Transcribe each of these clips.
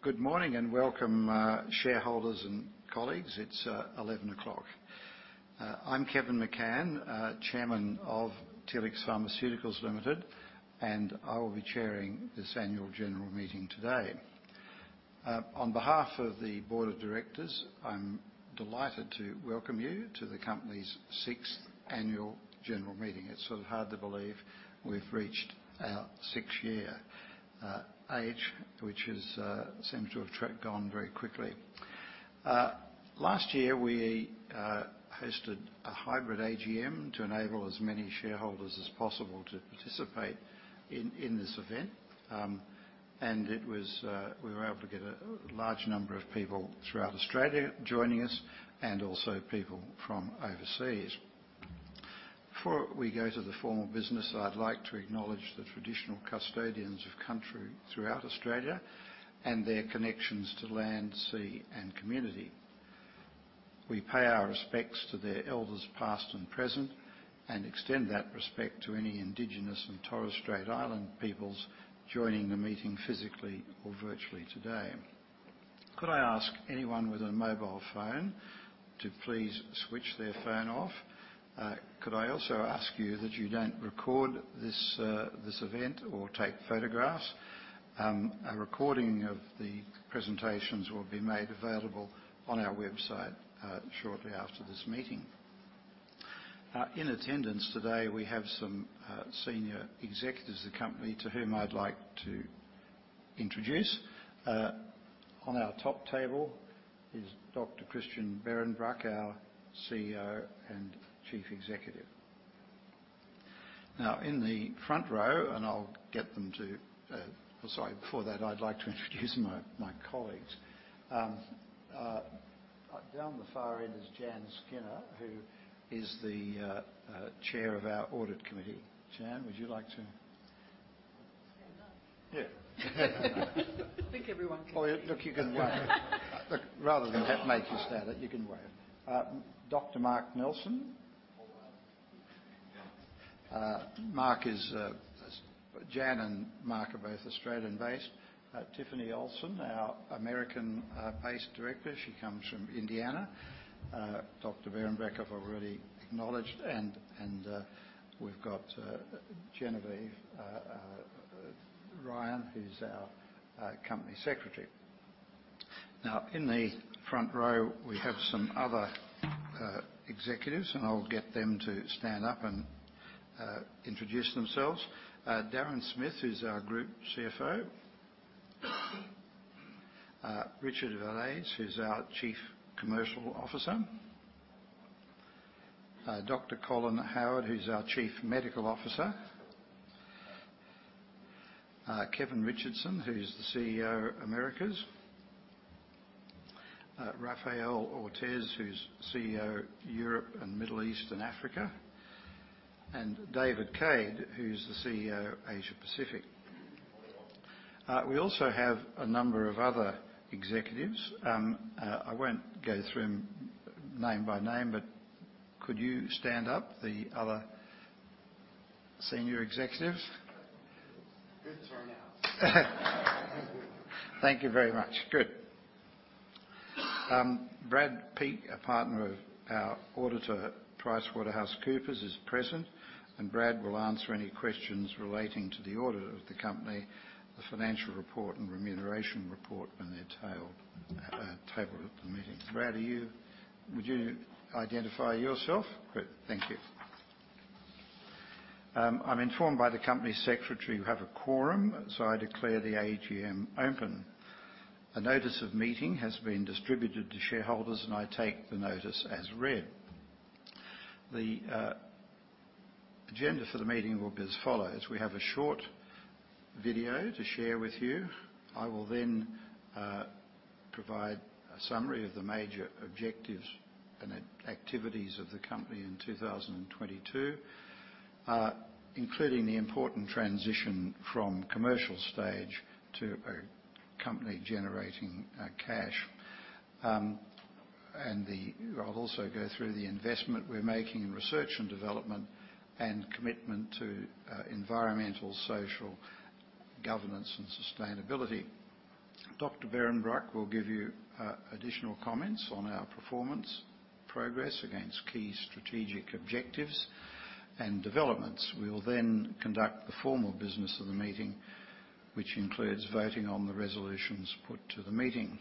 Good morning and welcome, shareholders and colleagues. It's 11 o'clock. I'm Kevin McCann, Chairman of Telix Pharmaceuticals Limited. I will be chairing this annual general meeting today. On behalf of the Board of Directors, I'm delighted to welcome you to the company's sixth annual general meeting. It's sort of hard to believe we've reached our six-year age, which seems to have gone very quickly. Last year, we hosted a hybrid AGM to enable as many shareholders as possible to participate in this event. It was, we were able to get a large number of people throughout Australia joining us and also people from overseas. Before we go to the formal business, I'd like to acknowledge the traditional custodians of country throughout Australia and their connections to land, sea, and community. We pay our respects to their elders, past and present. Extend that respect to any Indigenous and Torres Strait Island peoples joining the meeting physically or virtually today. Could I ask anyone with a mobile phone to please switch their phone off? Could I also ask you that you don't record this event or take photographs. A recording of the presentations will be made available on our website shortly after this meeting. In attendance today, we have some senior executives of the company to whom I'd like to introduce. On our top table is Dr. Christian Behrenbruch, our CEO and Chief Executive. In the front row, Sorry, before that, I'd like to introduce my colleagues. Down the far end is Jann Skinner, who is the Chair of our Audit Committee. Jann. Stand up? Yeah. I think everyone can see you. Look, you can wave. Look, rather than make you stand up, you can wave. Dr. Mark Nelson. Hello. Mark is Jann and Mark are both Australian-based. Tiffany Olson, our American-based director. She comes from Indiana. Dr. Behrenbruch, I've already acknowledged. We've got Genevieve Ryan, who's our Company Secretary. In the front row, we have some other executives, and I'll get them to stand up and introduce themselves. Darren Smith, who's our Group CFO. Richard Valeix, who's our Chief Commercial Officer. Dr. David Cade, who's our Chief Medical Officer. Kevin Richardson, who's the CEO, Americas. Raphaël Ortiz, who's CEO, Europe and Middle East and Africa. David Cade, who's the CEO, Asia Pacific. We also have a number of other executives. I won't go through them name by name. Could you stand up, the other senior executives? Group is right now. Thank you very much. Good. Brad Peake, a partner of our auditor, PricewaterhouseCoopers, is present, and Brad will answer any questions relating to the audit of the company, the financial report and remuneration report when they're tabled at the meeting. Brad, would you identify yourself? Good. Thank you. I'm informed by the company secretary we have a quorum, so I declare the AGM open. A notice of meeting has been distributed to shareholders, and I take the notice as read. The agenda for the meeting will be as follows: We have a short video to share with you. I will then provide a summary of the major objectives and activities of the company in 2022, including the important transition from commercial stage to a company generating cash. I'll also go through the investment we're making in research and development and commitment to Environmental, Social, and Governance, and sustainability. Dr. Behrenbruch will give you additional comments on our performance, progress against key strategic objectives, and developments. We will then conduct the formal business of the meeting, which includes voting on the resolutions put to the meeting.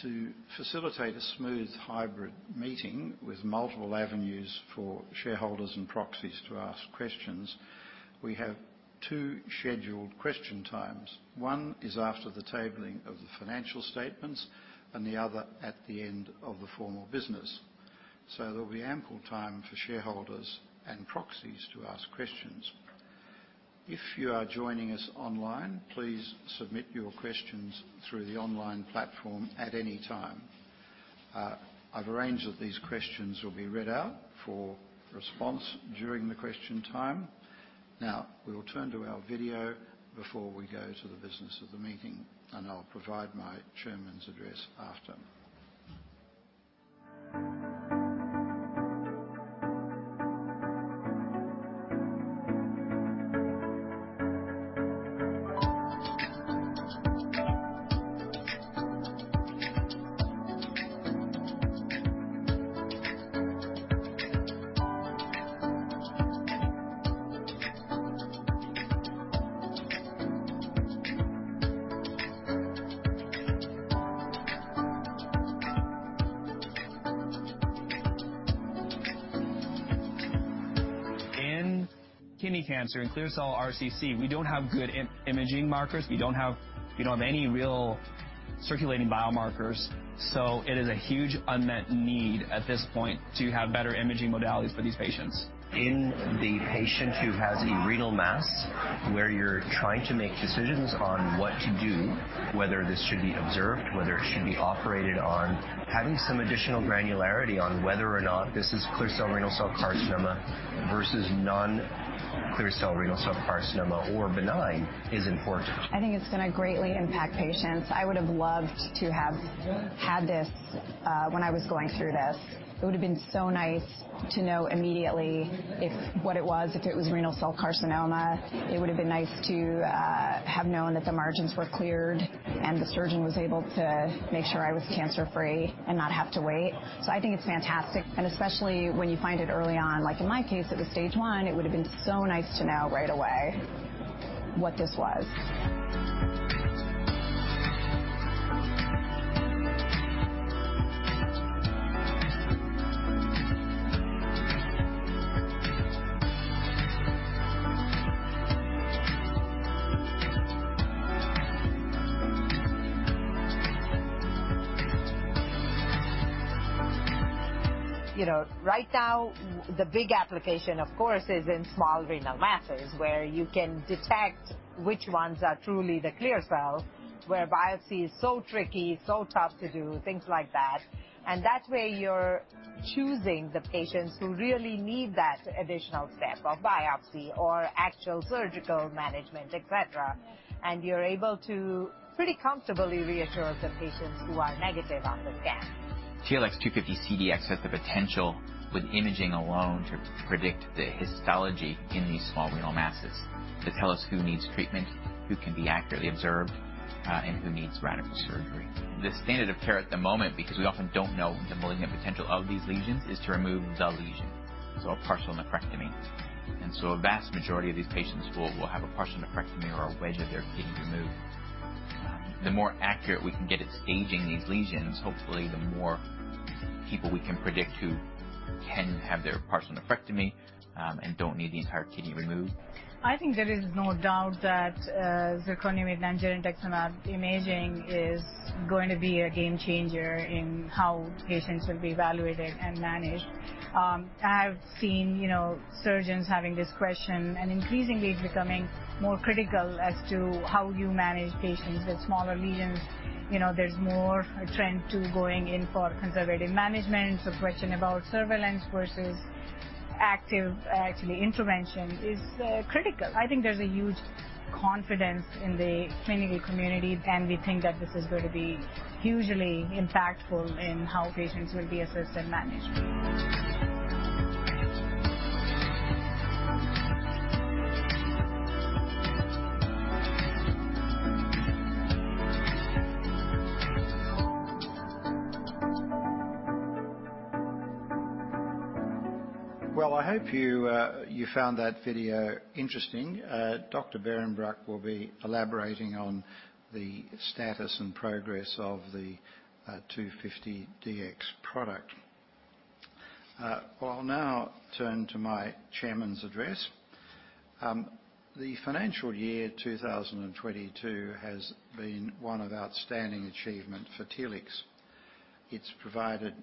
To facilitate a smooth hybrid meeting with multiple avenues for shareholders and proxies to ask questions, we have two scheduled question times. One is after the tabling of the financial statements, and the other at the end of the formal business. There'll be ample time for shareholders and proxies to ask questions. If you are joining us online, please submit your questions through the online platform at any time. I've arranged that these questions will be read out for response during the question time. We will turn to our video before we go to the business of the meeting. I'll provide my chairman's address after. In kidney cancer, in clear cell RCC, we don't have good imaging markers. We don't have any real circulating biomarkers, so it is a huge unmet need at this point to have better imaging modalities for these patients. In the patient who has a renal mass, where you're trying to make decisions on what to do, whether this should be observed, whether it should be operated on, having some additional granularity on whether or not this is clear cell renal cell carcinoma versus non-clear cell renal cell carcinoma or benign is important. I think it's gonna greatly impact patients. I would have loved to have had this when I was going through this. It would have been so nice to know immediately if what it was, if it was renal cell carcinoma. It would have been nice to have known that the margins were cleared and the surgeon was able to make sure I was cancer-free and not have to wait. I think it's fantastic, and especially when you find it early on. Like in my case, it was stage one. It would have been so nice to know right away what this was. You know, right now, the big application, of course, is in small renal masses, where you can detect which ones are truly the Clear Cells, where biopsy is so tricky, so tough to do, things like that. That way you're choosing the patients who really need that additional step of biopsy or actual surgical management, et cetera. You're able to pretty comfortably reassure the patients who are negative on the scan. TLX250-CDx has the potential with imaging alone to predict the histology in these small renal masses, to tell us who needs treatment, who can be accurately observed, and who needs radical surgery. The standard of care at the moment, because we often don't know the malignant potential of these lesions, is to remove the lesion, so a partial nephrectomy. A vast majority of these patients will have a partial nephrectomy or a wedge of their kidney removed. The more accurate we can get at staging these lesions, hopefully, the more people we can predict who can have their partial nephrectomy, and don't need the entire kidney removed. I think there is no doubt that the Zirconium and dinutuximab imaging is going to be a game changer in how patients will be evaluated and managed. I have seen, you know, surgeons having this question and increasingly becoming more critical as to how you manage patients with smaller lesions. You know, there's more a trend to going in for conservative management. Question about surveillance versus active, actually intervention is critical. I think there's a huge confidence in the clinical community, and we think that this is going to be hugely impactful in how patients will be assessed and managed. Well, I hope you found that video interesting. Dr. Behrenbruch will be elaborating on the status and progress of the 250 DX product. I'll now turn to my chairman's address. The financial year 2022 has been one of outstanding achievement for Telix. It's provided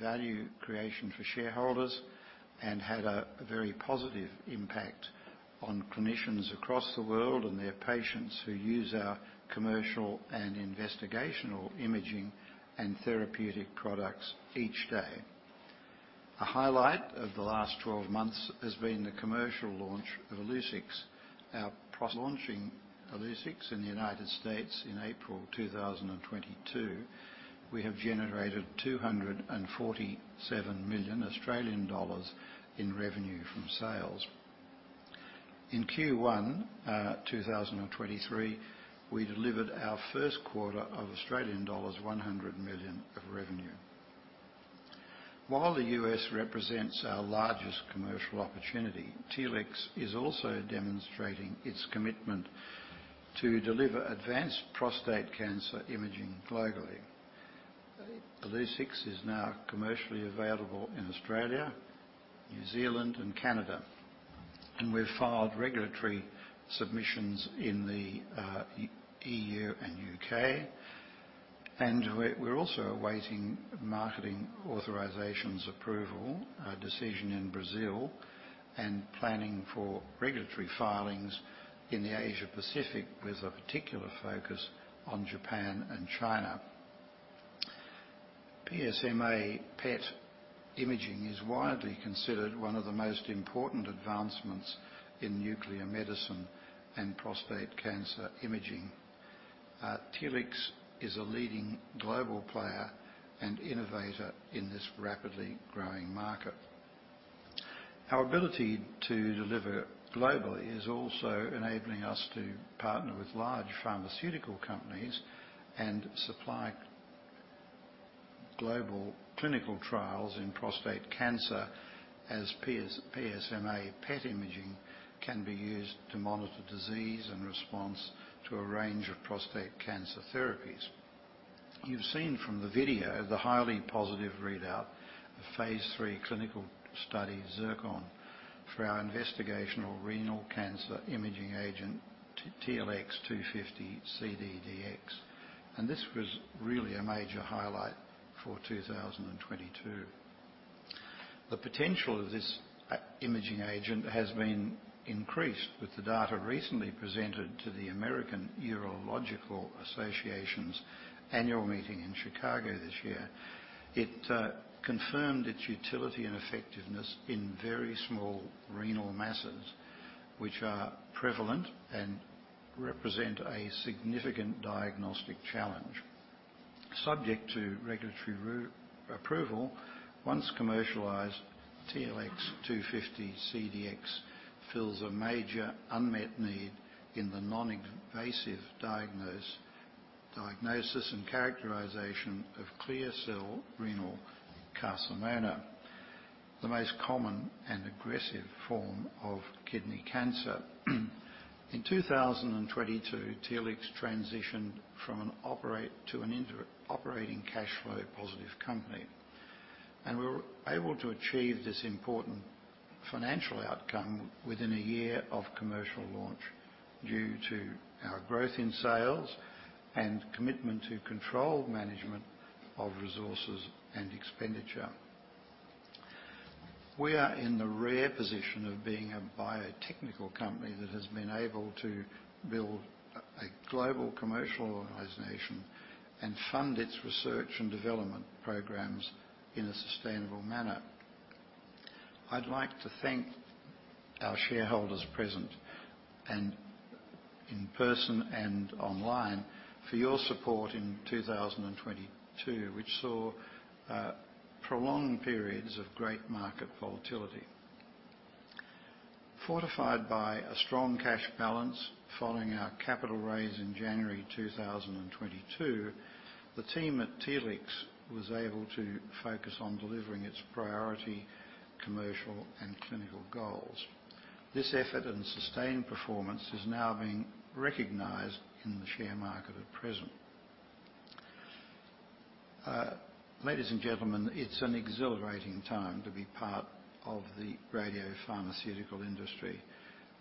value creation for shareholders and had a very positive impact on clinicians across the world and their patients who use our commercial and investigational imaging and therapeutic products each day. A highlight of the last 12 months has been the commercial launch of Illuccix, launching Illuccix in the United States in April 2022, we have generated 247 million Australian dollars in revenue from sales. In Q1, 2023, we delivered our first quarter of Australian dollars 100 million of revenue. While the U.S. represents our largest commercial opportunity, Telix is also demonstrating its commitment to deliver advanced prostate cancer imaging globally. Illuccix is now commercially available in Australia, New Zealand and Canada. We've filed regulatory submissions in the EU and UK. We're also awaiting marketing authorizations approval, a decision in Brazil, and planning for regulatory filings in the Asia-Pacific with a particular focus on Japan and China. PSMA-PET imaging is widely considered one of the most important advancements in nuclear medicine and prostate cancer imaging. Telix is a leading global player and innovator in this rapidly growing market. Our ability to deliver globally is also enabling us to partner with large pharmaceutical companies and supply global clinical trials in prostate cancer as PSMA-PET imaging can be used to monitor disease and response to a range of prostate cancer therapies. You've seen from the video the highly positive readout of Phase 3 clinical study ZIRCON for our investigational renal cancer imaging agent TLX250-CDx. This was really a major highlight for 2022. The potential of this imaging agent has been increased with the data recently presented to the American Urological Association's annual meeting in Chicago this year. It confirmed its utility and effectiveness in very small renal masses, which are prevalent and represent a significant diagnostic challenge. Subject to regulatory approval, once commercialized, TLX250-CDx fills a major unmet need in the non-invasive diagnosis and characterization of clear cell renal cell carcinoma, the most common and aggressive form of kidney cancer. In 2022, Telix transitioned from an operate-- to an inter operating cash flow positive company. We were able to achieve this important financial outcome within a year of commercial launch due to our growth in sales and commitment to controlled management of resources and expenditure. We are in the rare position of being a biotechnical company that has been able to build a global commercial organization and fund its research and development programs in a sustainable manner. I'd like to thank our shareholders present and in person and online for your support in 2022, which saw prolonged periods of great market volatility. Fortified by a strong cash balance following our capital raise in January 2022, the team at Telix was able to focus on delivering its priority commercial and clinical goals. This effort and sustained performance is now being recognized in the share market at present. Ladies and gentlemen, it's an exhilarating time to be part of the radiopharmaceutical industry,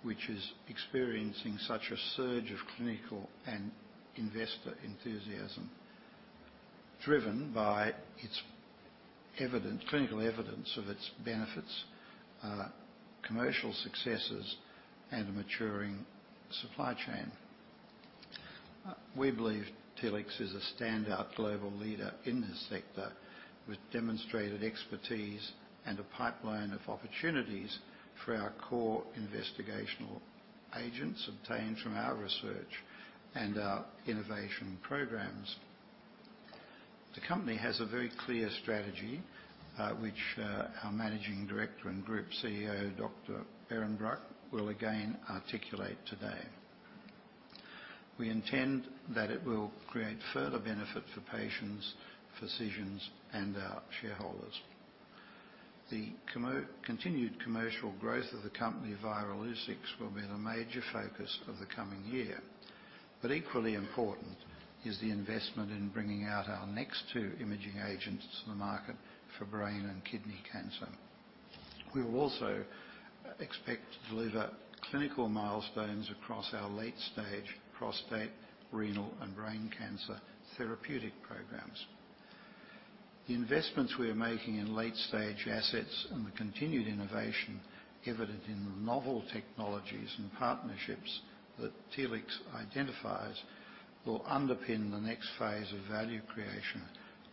which is experiencing such a surge of clinical and investor enthusiasm, driven by its evidence, clinical evidence of its benefits, commercial successes, and a maturing supply chain. We believe Telix is a standout global leader in this sector with demonstrated expertise and a pipeline of opportunities for our core investigational agents obtained from our research and our innovation programs. The company has a very clear strategy, which our Managing Director and Group CEO, Dr. Christian Behrenbruch, will again articulate today. We intend that it will create further benefit for patients, physicians, and our shareholders. The continued commercial growth of the company Illuccix will be the major focus of the coming year. Equally important is the investment in bringing out our next two imaging agents to the market for brain and kidney cancer. We will also expect to deliver clinical milestones across our late-stage prostate, renal, and brain cancer therapeutic programs. The investments we are making in late-stage assets and the continued innovation evident in the novel technologies and partnerships that Telix identifies will underpin the next phase of value creation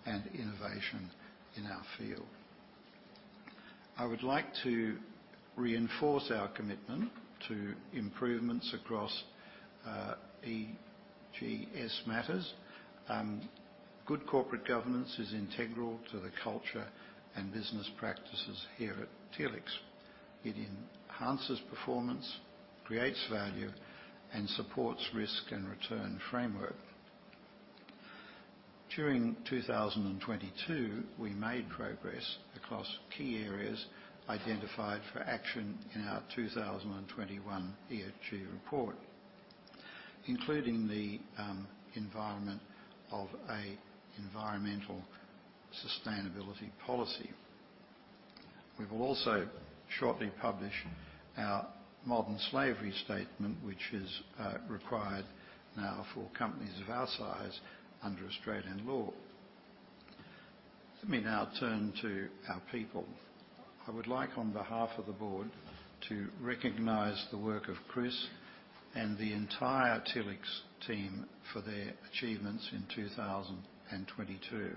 and innovation in our field. I would like to reinforce our commitment to improvements across ESG matters. Good corporate governance is integral to the culture and business practices here at Telix. It enhances performance, creates value, and supports risk and return framework. During 2022, we made progress across key areas identified for action in our 2021 ESG report, including the environment of a environmental sustainability policy. We will also shortly publish our modern slavery statement, which is required now for companies of our size under Australian law. Let me now turn to our people. I would like, on behalf of the board, to recognize the work of Christian and the entire Telix team for their achievements in 2022,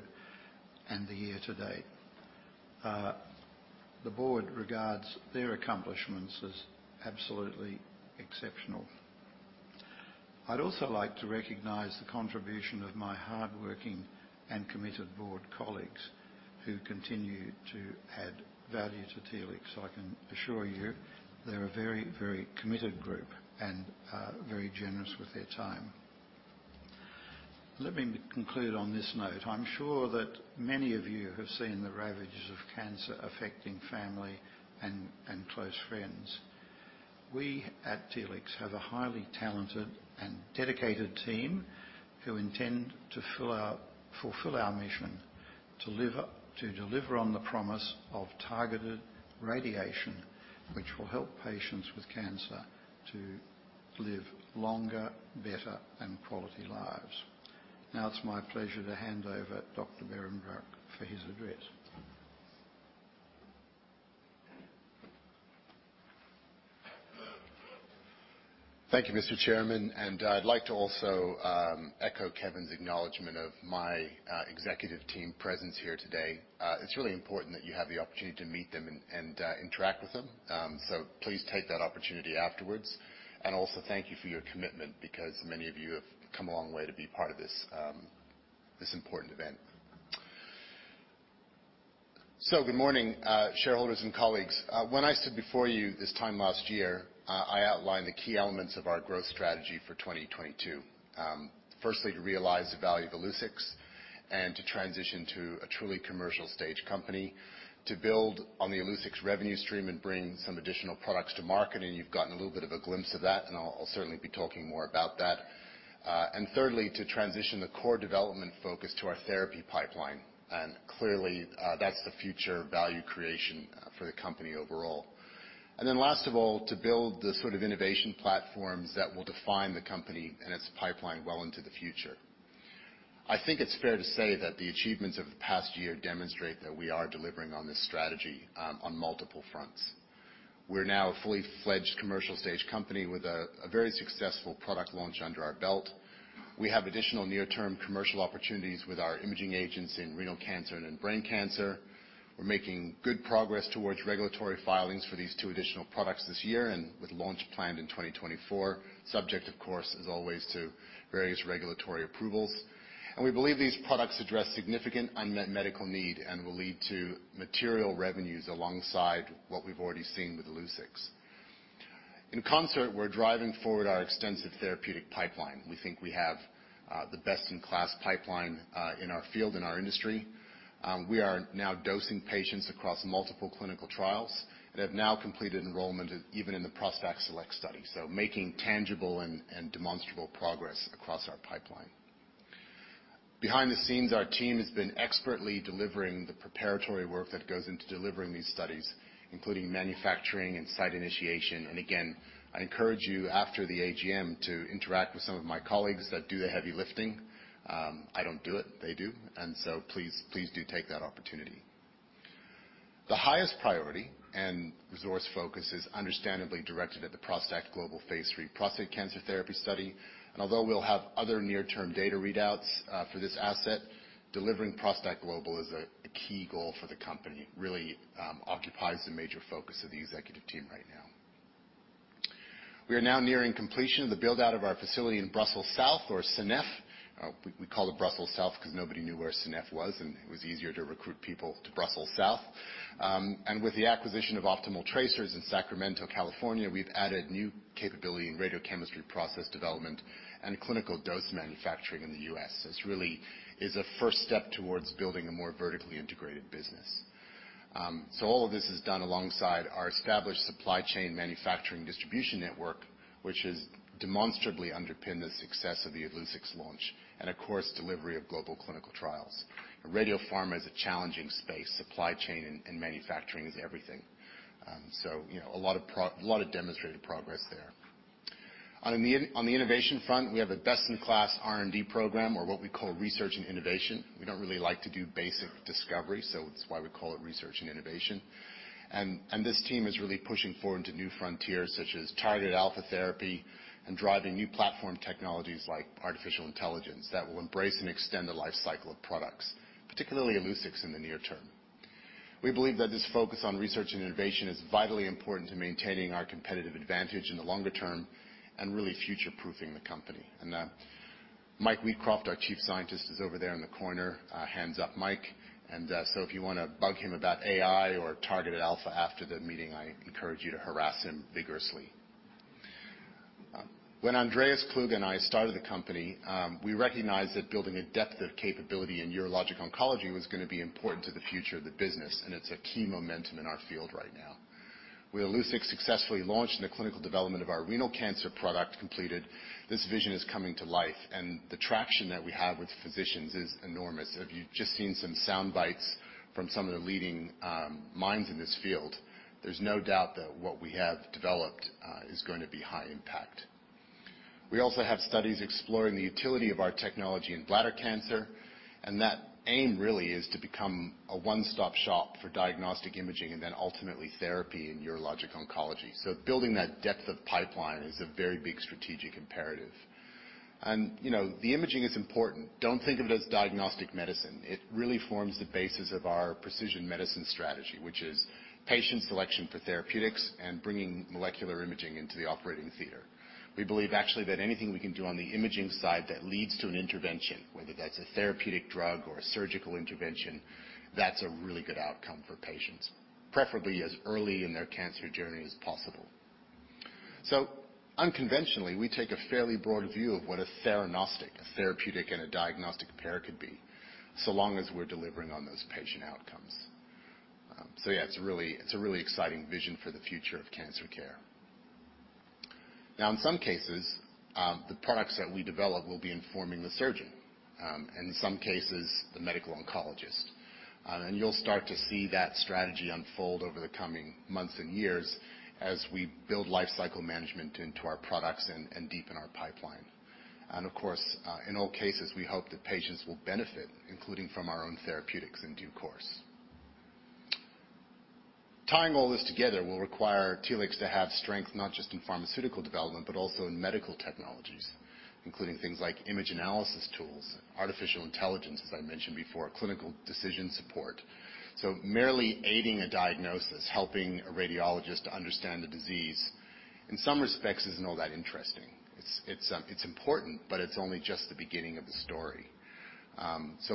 and the year to date. The board regards their accomplishments as absolutely exceptional. I'd also like to recognize the contribution of my hardworking and committed board colleagues who continue to add value to Telix. I can assure you they're a very committed group and very generous with their time. Let me conclude on this note. I'm sure that many of you have seen the ravages of cancer affecting family and close friends. We at Telix have a highly talented and dedicated team who intend to fulfill our mission to deliver on the promise of targeted radiation, which will help patients with cancer to live longer, better and quality lives. Now it's my pleasure to hand over Dr. Behrenbruch for his address. Thank you, Mr. Chairman, and I'd like to also echo Kevin's acknowledgment of my executive team presence here today. It's really important that you have the opportunity to meet them and interact with them. Please take that opportunity afterwards. Also thank you for your commitment because many of you have come a long way to be part of this important event. Good morning, shareholders and colleagues. When I stood before you this time last year, I outlined the key elements of our growth strategy for 2022. Firstly, to realize the value of Illuccix and to transition to a truly commercial stage company. To build on the Illuccix's revenue stream and bring some additional products to market, you've gotten a little bit of a glimpse of that, I'll certainly be talking more about that. Thirdly, to transition the core development focus to our therapy pipeline. Clearly, that's the future value creation for the company overall. Last of all, to build the sort of innovation platforms that will define the company and its pipeline well into the future. I think it's fair to say that the achievements of the past year demonstrate that we are delivering on this strategy on multiple fronts. We're now a fully fledged commercial stage company with a very successful product launch under our belt. We have additional near-term commercial opportunities with our imaging agents in renal cancer and in brain cancer. We're making good progress towards regulatory filings for these two additional products this year. With launch planned in 2024, subject of course, as always, to various regulatory approvals. We believe these products address significant unmet medical need and will lead to material revenues alongside what we've already seen with Illuccix. In concert, we're driving forward our extensive therapeutic pipeline. We think we have the best-in-class pipeline in our field, in our industry. We are now dosing patients across multiple clinical trials and have now completed enrollment even in the ProstACT SELECT study. Making tangible and demonstrable progress across our pipeline. Behind the scenes, our team has been expertly delivering the preparatory work that goes into delivering these studies, including manufacturing and site initiation. Again, I encourage you after the AGM to interact with some of my colleagues that do the heavy lifting. I don't do it, they do. Please do take that opportunity. The highest priority and resource focus is understandably directed at the ProstACT Global Phase 3 prostate cancer therapy study. Although we'll have other near-term data readouts for this asset, delivering ProstACT Global is a key goal for the company. Really occupies the major focus of the executive team right now. We are now nearing completion of the build-out of our facility in Brussels South or Ciney. We call it Brussels South because nobody knew where Ciney was, it was easier to recruit people to Brussels South. With the acquisition of Optimal Tracers in Sacramento, California, we've added new capability in radiochemistry process development and clinical dose manufacturing in the U.S. This really is a first step towards building a more vertically integrated business. All of this is done alongside our established supply chain manufacturing distribution network, which has demonstrably underpinned the success of the Illuccix launch and of course, delivery of global clinical trials. Radiopharma is a challenging space. Supply chain and manufacturing is everything. You know, a lot of demonstrated progress there. On the innovation front, we have a best-in-class R&D program or what we call research and innovation. We don't really like to do basic discovery, so it's why we call it research and innovation. This team is really pushing forward into new frontiers such as targeted alpha therapy and driving new platform technologies like artificial intelligence that will embrace and extend the life cycle of products, particularly Illuccix in the near term. We believe that this focus on research and innovation is vitally important to maintaining our competitive advantage in the longer term and really future-proofing the company. Michael Wheatcroft, our Chief Scientist, is over there in the corner. Hands up, Michael. If you wanna bug him about AI or targeted alpha after the meeting, I encourage you to harass him vigorously. When Andreas Kluge and I started the company, we recognized that building a depth of capability in urologic oncology was gonna be important to the future of the business, and it's a key momentum in our field right now. With Illuccix successfully launched and the clinical development of our renal cancer product completed, this vision is coming to life, and the traction that we have with physicians is enormous. If you've just seen some sound bites from some of the leading minds in this field, there's no doubt that what we have developed is going to be high impact. We also have studies exploring the utility of our technology in bladder cancer, and that aim really is to become a one-stop shop for diagnostic imaging and then ultimately therapy in urologic oncology. Building that depth of pipeline is a very big strategic imperative. You know, the imaging is important. Don't think of it as diagnostic medicine. It really forms the basis of our precision medicine strategy, which is patient selection for therapeutics and bringing molecular imaging into the operating theater. We believe actually that anything we can do on the imaging side that leads to an intervention, whether that's a therapeutic drug or a surgical intervention, that's a really good outcome for patients, preferably as early in their cancer journey as possible. Unconventionally, we take a fairly broad view of what a theranostic, a therapeutic, and a diagnostic pair could be, so long as we're delivering on those patient outcomes. Yeah, it's a really exciting vision for the future of cancer care. In some cases, the products that we develop will be informing the surgeon, and in some cases, the medical oncologist. You'll start to see that strategy unfold over the coming months and years as we build life cycle management into our products and deepen our pipeline. Of course, in all cases, we hope that patients will benefit, including from our own therapeutics in due course. Tying all this together will require Telix to have strength not just in pharmaceutical development, but also in medical technologies, including things like image analysis tools, artificial intelligence, as I mentioned before, clinical decision support. Merely aiding a diagnosis, helping a radiologist to understand the disease, in some respects isn't all that interesting. It's important, but it's only just the beginning of the story.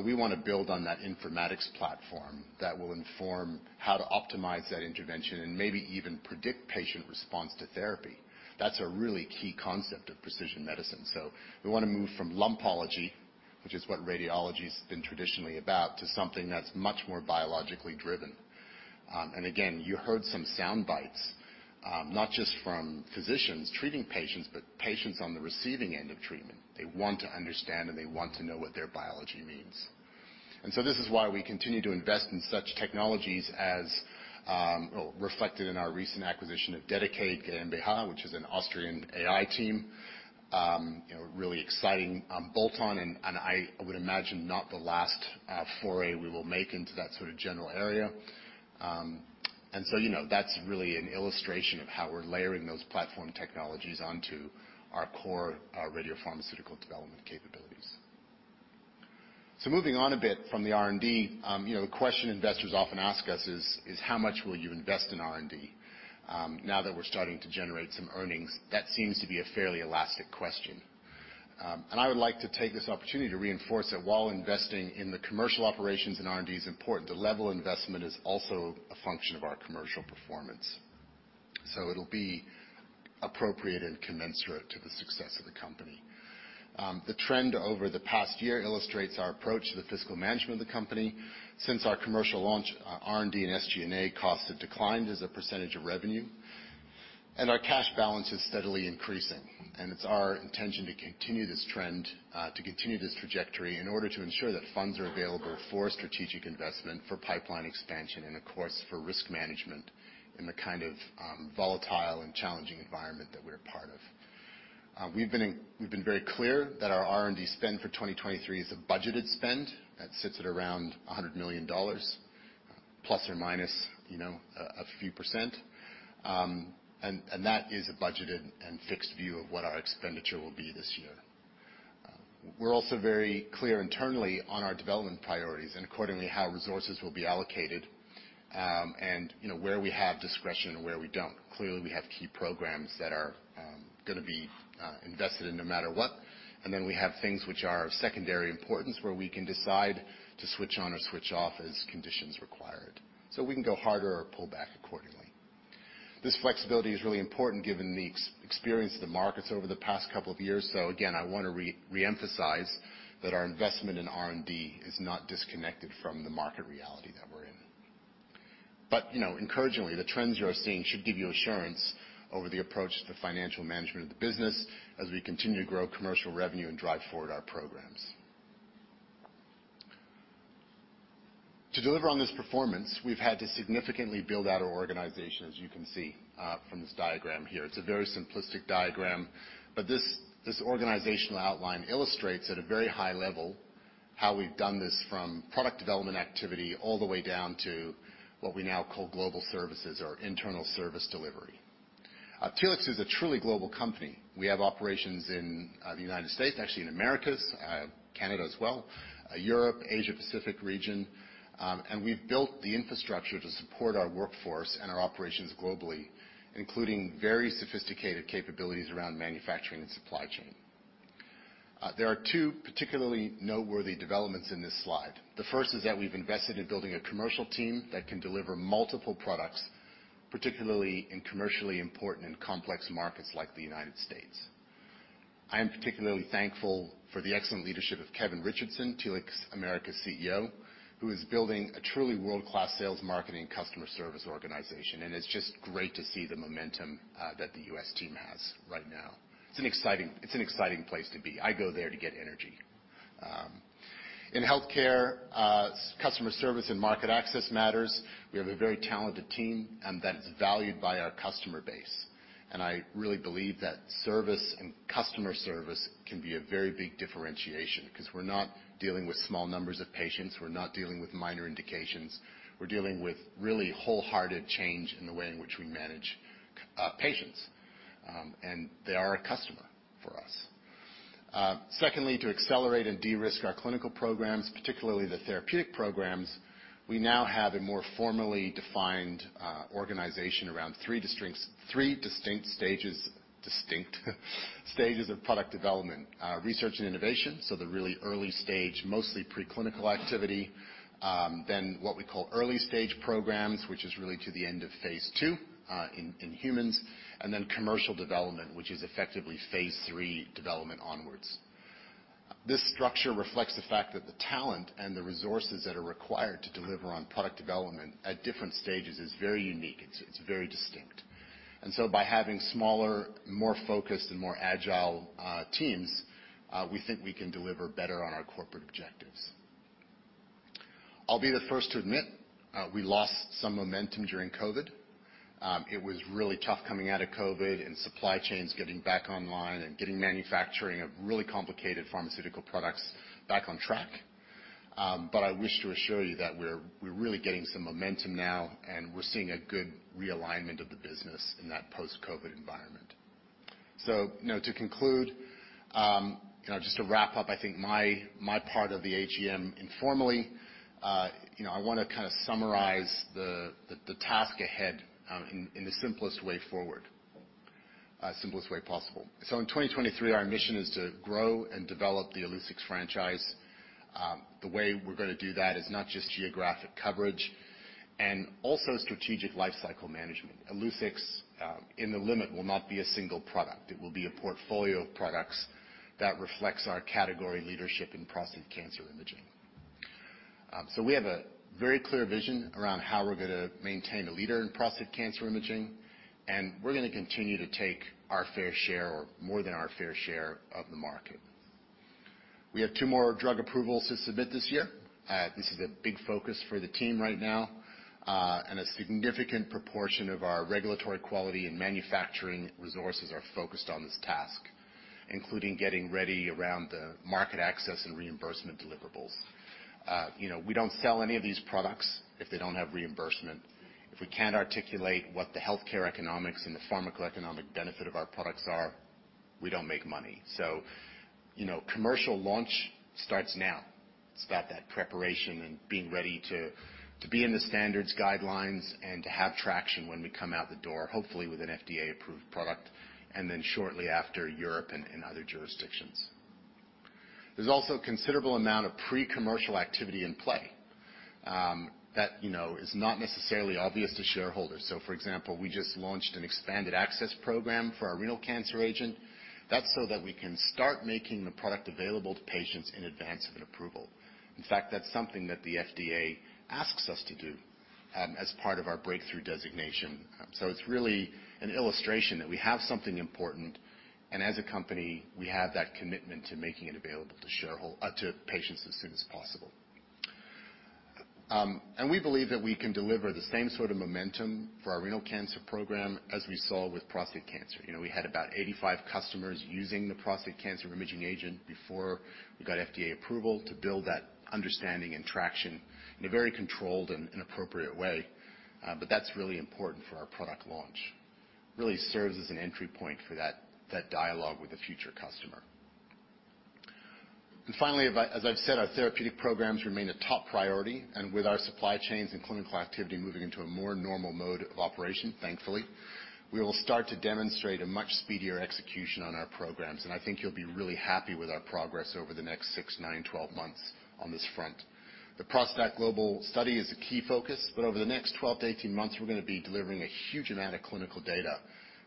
We wanna build on that informatics platform that will inform how to optimize that intervention and maybe even predict patient response to therapy. That's a really key concept of precision medicine. We wanna move from lumpology, which is what radiology's been traditionally about, to something that's much more biologically driven. Again, you heard some sound bites, not just from physicians treating patients, but patients on the receiving end of treatment. They want to understand, they want to know what their biology means. This is why we continue to invest in such technologies as reflected in our recent acquisition of Dedalus Austria GmbH, which is an Austrian AI team, you know, really exciting bolt-on, and I would imagine not the last foray we will make into that sort of general area. You know, that's really an illustration of how we're layering those platform technologies onto our core, our radiopharmaceutical development capabilities. Moving on a bit from the R&D, you know, the question investors often ask us is how much will you invest in R&D? Now that we're starting to generate some earnings, that seems to be a fairly elastic question. I would like to take this opportunity to reinforce that while investing in the commercial operations and R&D is important, the level of investment is also a function of our commercial performance. It'll be appropriate and commensurate to the success of the company. The trend over the past year illustrates our approach to the fiscal management of the company. Since our commercial launch, R&D and SG&A costs have declined as a % of revenue, and our cash balance is steadily increasing. It's our intention to continue this trend, to continue this trajectory in order to ensure that funds are available for strategic investment, for pipeline expansion, and of course for risk management in the kind of, volatile and challenging environment that we're a part of. We've been very clear that our R&D spend for 2023 is a budgeted spend that sits at around $100 million ± a few %. That is a budgeted and fixed view of what our expenditure will be this year. We're also very clear internally on our development priorities and accordingly how resources will be allocated and where we have discretion and where we don't. Clearly, we have key programs that are gonna be invested in no matter what. We have things which are of secondary importance, where we can decide to switch on or switch off as conditions required, so we can go harder or pull back accordingly. This flexibility is really important given the experience of the markets over the past couple of years. Again, I wanna reemphasize that our investment in R&D is not disconnected from the market reality that we're in. You know, encouragingly, the trends you are seeing should give you assurance over the approach to the financial management of the business as we continue to grow commercial revenue and drive forward our programs. To deliver on this performance, we've had to significantly build out our organization, as you can see from this diagram here. It's a very simplistic diagram, but this organizational outline illustrates at a very high level how we've done this from product development activity all the way down to what we now call global services or internal service delivery. Telix is a truly global company. We have operations in the United States, actually in Americas, Canada as well, Europe, Asia-Pacific region. We've built the infrastructure to support our workforce and our operations globally, including very sophisticated capabilities around manufacturing and supply chain. There are two particularly noteworthy developments in this slide. The first is that we've invested in building a commercial team that can deliver multiple products, particularly in commercially important and complex markets like the United States. I am particularly thankful for the excellent leadership of Kevin Richardson, Telix Americas' CEO, who is building a truly world-class sales, marketing, customer service organization, and it's just great to see the momentum that the US team has right now. It's an exciting place to be. I go there to get energy. In healthcare, customer service and market access matters. We have a very talented team, and that's valued by our customer base. I really believe that service and customer service can be a very big differentiation, 'cause we're not dealing with small numbers of patients. We're not dealing with minor indications. We're dealing with really wholehearted change in the way in which we manage patients, and they are a customer for us. Secondly, to accelerate and de-risk our clinical programs, particularly the therapeutic programs, we now have a more formally defined organization around three distinct stages of product development. Research and innovation, so the really early stage, mostly preclinical activity. Then what we call early stage programs, which is really to the end of phase two in humans. Then commercial development, which is effectively phase three development onwards. This structure reflects the fact that the talent and the resources that are required to deliver on product development at different stages is very unique. It's very distinct. By having smaller, more focused and more agile teams, we think we can deliver better on our corporate objectives. I'll be the first to admit, we lost some momentum during COVID. It was really tough coming out of COVID and supply chains getting back online and getting manufacturing of really complicated pharmaceutical products back on track. I wish to assure you that we're really gaining some momentum now, and we're seeing a good realignment of the business in that post-COVID environment. You know, to conclude, you know, just to wrap up, I think my part of the AGM informally, you know, I wanna kinda summarize the task ahead, in the simplest way forward, simplest way possible. In 2023, our mission is to grow and develop the Illuccix franchise. The way we're gonna do that is not just geographic coverage and also strategic lifecycle management. Illuccix, in the limit will not be a single product. It will be a portfolio of products that reflects our category leadership in prostate cancer imaging. We have a very clear vision around how we're gonna maintain a leader in prostate cancer imaging, and we're gonna continue to take our fair share or more than our fair share of the market. We have 2 more drug approvals to submit this year. This is a big focus for the team right now, and a significant proportion of our regulatory quality and manufacturing resources are focused on this task, including getting ready around the market access and reimbursement deliverables. You know, we don't sell any of these products if they don't have reimbursement. If we can't articulate what the healthcare economics and the pharmacoeconomic benefit of our products are, we don't make money. You know, commercial launch starts now. It's about that preparation and being ready to be in the standards guidelines and to have traction when we come out the door, hopefully with an FDA-approved product, and then shortly after, Europe and other jurisdictions. There's also a considerable amount of pre-commercial activity in play, that, you know, is not necessarily obvious to shareholders. For example, we just launched an expanded access program for our renal cancer agent. That's so that we can start making the product available to patients in advance of an approval. In fact, that's something that the FDA asks us to do as part of our breakthrough designation. It's really an illustration that we have something important, and as a company, we have that commitment to making it available to patients as soon as possible. We believe that we can deliver the same sort of momentum for our renal cancer program as we saw with prostate cancer. You know, we had about 85 customers using the prostate cancer imaging agent before we got FDA approval to build that understanding and traction in a very controlled and appropriate way, but that's really important for our product launch. Really serves as an entry point for that dialogue with the future customer. Finally, about as I've said, our therapeutic programs remain a top priority, and with our supply chains and clinical activity moving into a more normal mode of operation, thankfully, we will start to demonstrate a much speedier execution on our programs. I think you'll be really happy with our progress over the next six, nine, 12 months on this front. The ProstACT Global study is a key focus. Over the next 12 to 18 months, we're gonna be delivering a huge amount of clinical data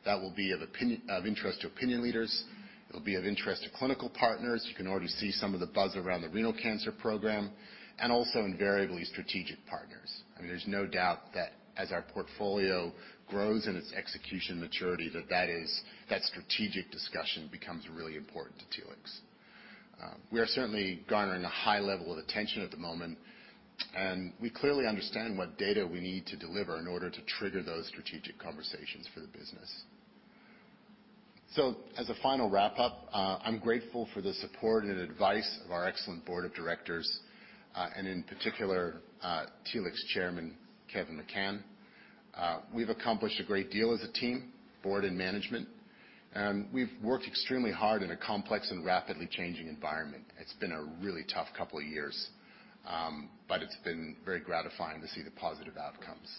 that will be of interest to opinion leaders. It'll be of interest to clinical partners. You can already see some of the buzz around the renal cancer program and also invariably strategic partners. I mean, there's no doubt that as our portfolio grows in its execution maturity, that strategic discussion becomes really important to Telix. We are certainly garnering a high level of attention at the moment, we clearly understand what data we need to deliver in order to trigger those strategic conversations for the business. As a final wrap-up, I'm grateful for the support and advice of our excellent board of directors, in particular, Telix Chairman Kevin McCann. We've accomplished a great deal as a team, board, and management, we've worked extremely hard in a complex and rapidly changing environment. It's been a really tough couple of years, but it's been very gratifying to see the positive outcomes.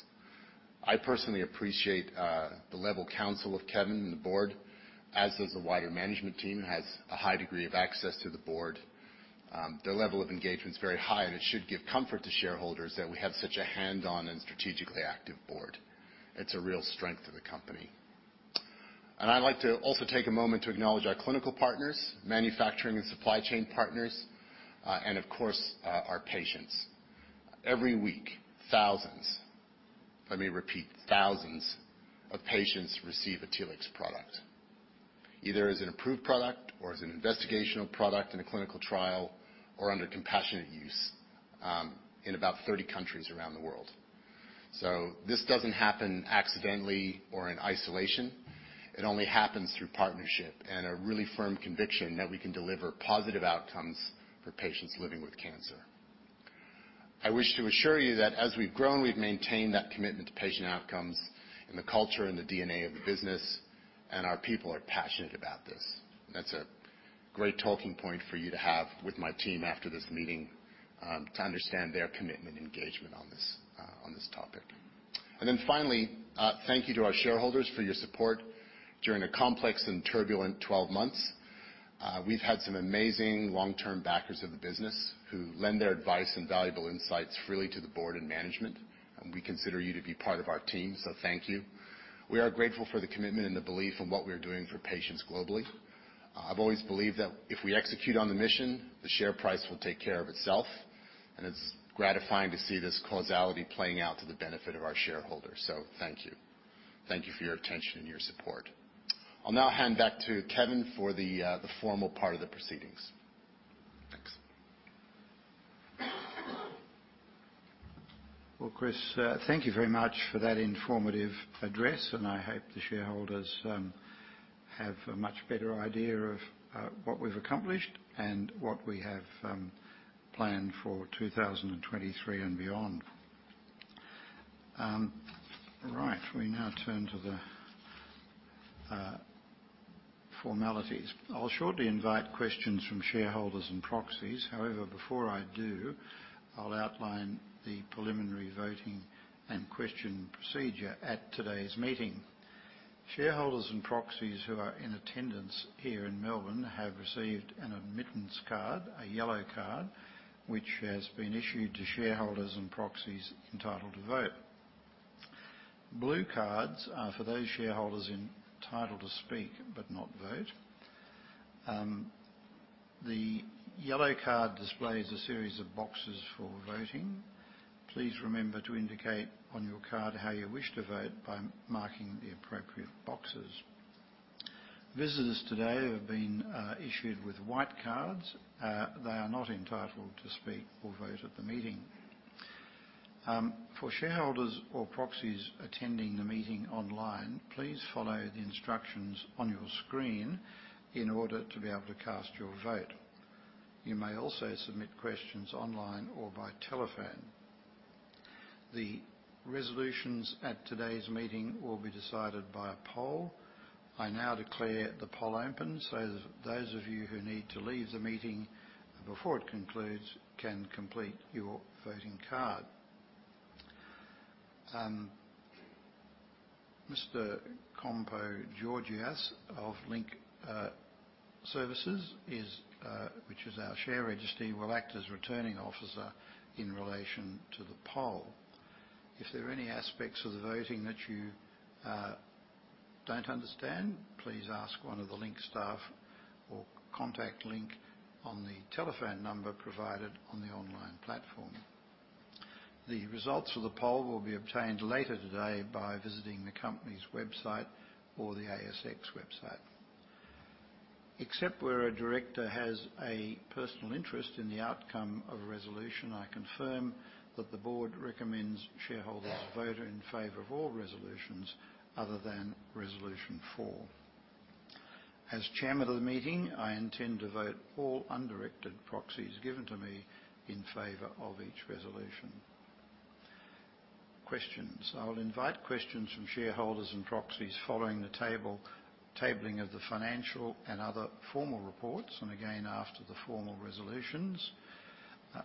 I personally appreciate, the level counsel of Kevin and the board, as does the wider management team, has a high degree of access to the board. Their level of engagement's very high, it should give comfort to shareholders that we have such a hands-on and strategically active board. It's a real strength of the company. I'd like to also take a moment to acknowledge our clinical partners, manufacturing and supply chain partners, and of course, our patients. Every week, thousands, let me repeat, thousands of patients receive a Telix product. Either as an approved product or as an investigational product in a clinical trial or under compassionate use, in about 30 countries around the world. This doesn't happen accidentally or in isolation. It only happens through partnership and a really firm conviction that we can deliver positive outcomes for patients living with cancer. I wish to assure you that as we've grown, we've maintained that commitment to patient outcomes in the culture and the DNA of the business, and our people are passionate about this. That's a great talking point for you to have with my team after this meeting, to understand their commitment and engagement on this topic. Finally, thank you to our shareholders for your support during a complex and turbulent 12 months. We've had some amazing long-term backers of the business who lend their advice and valuable insights freely to the board and management, and we consider you to be part of our team, so thank you. We are grateful for the commitment and the belief in what we're doing for patients globally. I've always believed that if we execute on the mission, the share price will take care of itself, and it's gratifying to see this causality playing out to the benefit of our shareholders. Thank you. Thank you for your attention and your support. I'll now hand back to Kevin for the formal part of the proceedings. Thanks. Well, Chris, thank you very much for that informative address. I hope the shareholders have a much better idea of what we've accomplished and what we have planned for 2023 and beyond. Right. We now turn to the formalities. I'll shortly invite questions from shareholders and proxies. However, before I do, I'll outline the preliminary voting and question procedure at today's meeting. Shareholders and proxies who are in attendance here in Melbourne have received an admittance card, a yellow card, which has been issued to shareholders and proxies entitled to vote. Blue cards are for those shareholders entitled to speak but not vote. The yellow card displays a series of boxes for voting. Please remember to indicate on your card how you wish to vote by marking the appropriate boxes. Visitors today have been issued with white cards. They are not entitled to speak or vote at the meeting. For shareholders or proxies attending the meeting online, please follow the instructions on your screen in order to be able to cast your vote. You may also submit questions online or by telephone. The resolutions at today's meeting will be decided via poll. I now declare the poll open so that those of you who need to leave the meeting before it concludes can complete your voting card. Mr. Compo Gorgias of Link Services is, which is our share registry, will act as returning officer in relation to the poll. If there are any aspects of the voting that you don't understand, please ask one of the Link staff or contact Link on the telephone number provided on the online platform. The results of the poll will be obtained later today by visiting the company's website or the ASX website. Except where a director has a personal interest in the outcome of a resolution, I confirm that the board recommends shareholders vote in favor of all resolutions other than resolution four. As Chairman of the meeting, I intend to vote all undirected proxies given to me in favor of each resolution. Questions.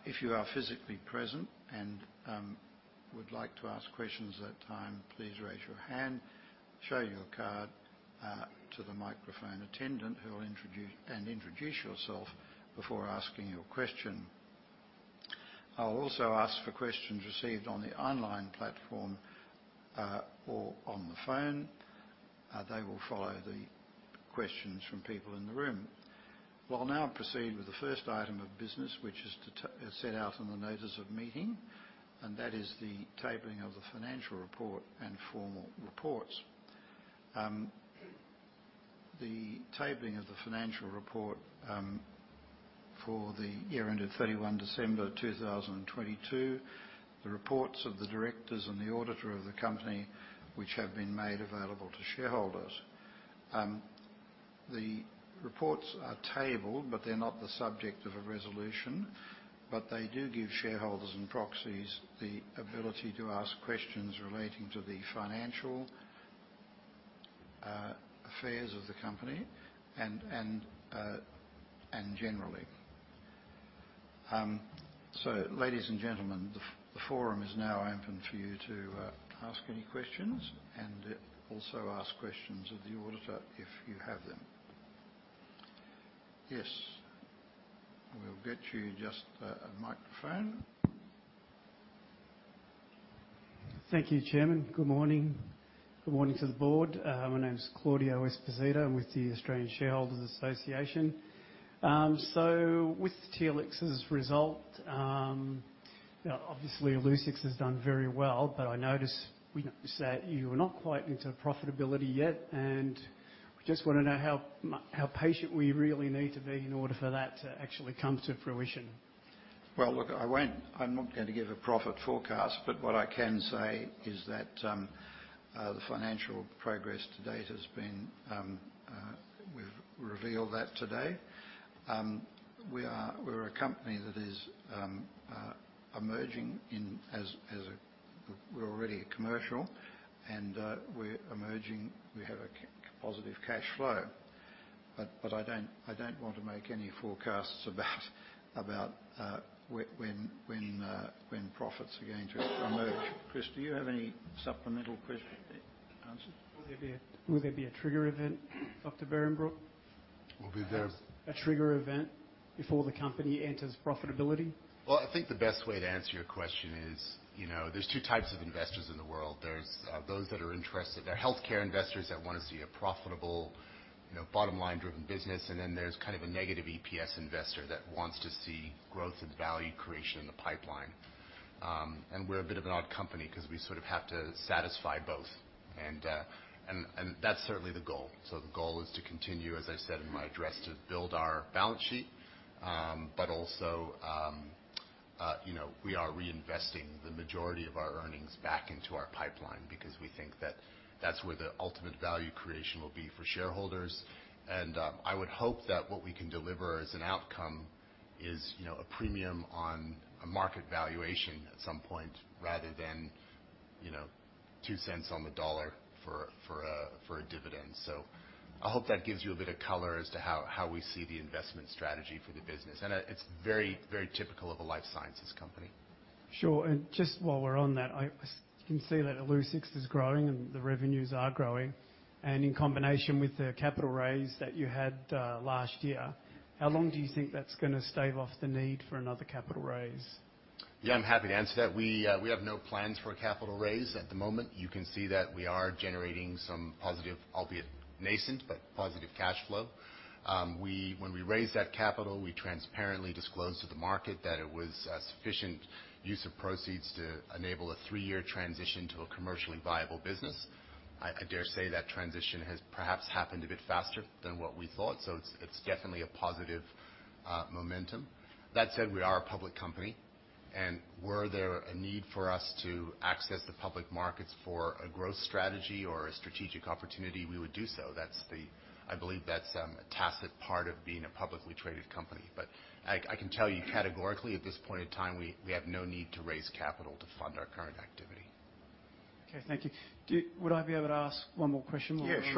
If you are physically present and would like to ask questions at time, please raise your hand, show your card to the microphone attendant who will introduce yourself before asking your question. I'll also ask for questions received on the online platform or on the phone. They will follow the questions from people in the room. We'll now proceed with the first item of business, which is to set out on the notice of meeting, and that is the tabling of the financial report and formal reports. The tabling of the financial report for the year ended 31 December 2022, the reports of the directors and the auditor of the company, which have been made available to shareholders. The reports are tabled, but they're not the subject of a resolution, but they do give shareholders and proxies the ability to ask questions relating to the financial affairs of the company and generally. Ladies and gentlemen, the forum is now open for you to ask any questions and also ask questions of the auditor if you have them. Yes. We'll get you just a microphone. Thank you, Chairman. Good morning. Good morning to the board. My name is Claudio Esposito. I'm with the Australian Shareholders' Association. With TLX's result, Now obviously, Illuccix has done very well, I notice we said you're not quite into profitability yet, and I just wanna know how patient we really need to be in order for that to actually come to fruition. Well, look, I'm not gonna give a profit forecast, but what I can say is that the financial progress to date has been. We've revealed that today. We're a company that is emerging as a we're already commercial, and we're emerging. We have a positive cash flow. I don't want to make any forecasts about when profits are going to emerge. Chris, do you have any supplemental answer? Will there be a trigger event, Dr. Behrenbruch? Will be there. A trigger event before the company enters profitability? Well, I think the best way to answer your question is, you know, there's two types of investors in the world. There are healthcare investors that wanna see a profitable, you know, bottom line driven business, and then there's kind of a negative EPS investor that wants to see growth and value creation in the pipeline. We're a bit of an odd company because we sort of have to satisfy both. That's certainly the goal. The goal is to continue, as I said in my address, to build our balance sheet. Also, you know, we are reinvesting the majority of our earnings back into our pipeline because we think that that's where the ultimate value creation will be for shareholders. I would hope that what we can deliver as an outcome is, you know, a premium on a market valuation at some point rather than, you know, 0.02 on the dollar for a dividend. I hope that gives you a bit of color as to how we see the investment strategy for the business. It's very, very typical of a life sciences company. Sure. And just while we're on that, I can see that Illuccix is growing and the revenues are growing. In combination with the capital raise that you had, last year, how long do you think that's gonna stave off the need for another capital raise? Yeah, I'm happy to answer that. We have no plans for a capital raise at the moment. You can see that we are generating some positive, albeit nascent, but positive cash flow. When we raised that capital, we transparently disclosed to the market that it was a sufficient use of proceeds to enable a three-year transition to a commercially viable business. I dare say that transition has perhaps happened a bit faster than what we thought. It's definitely a positive momentum. That said, we are a public company, and were there a need for us to access the public markets for a growth strategy or a strategic opportunity, we would do so. That's the, I believe that's a tacit part of being a publicly traded company. I can tell you categorically at this point in time, we have no need to raise capital to fund our current activity. Okay. Thank you. Would I be able to ask one more question while we're on? Yeah,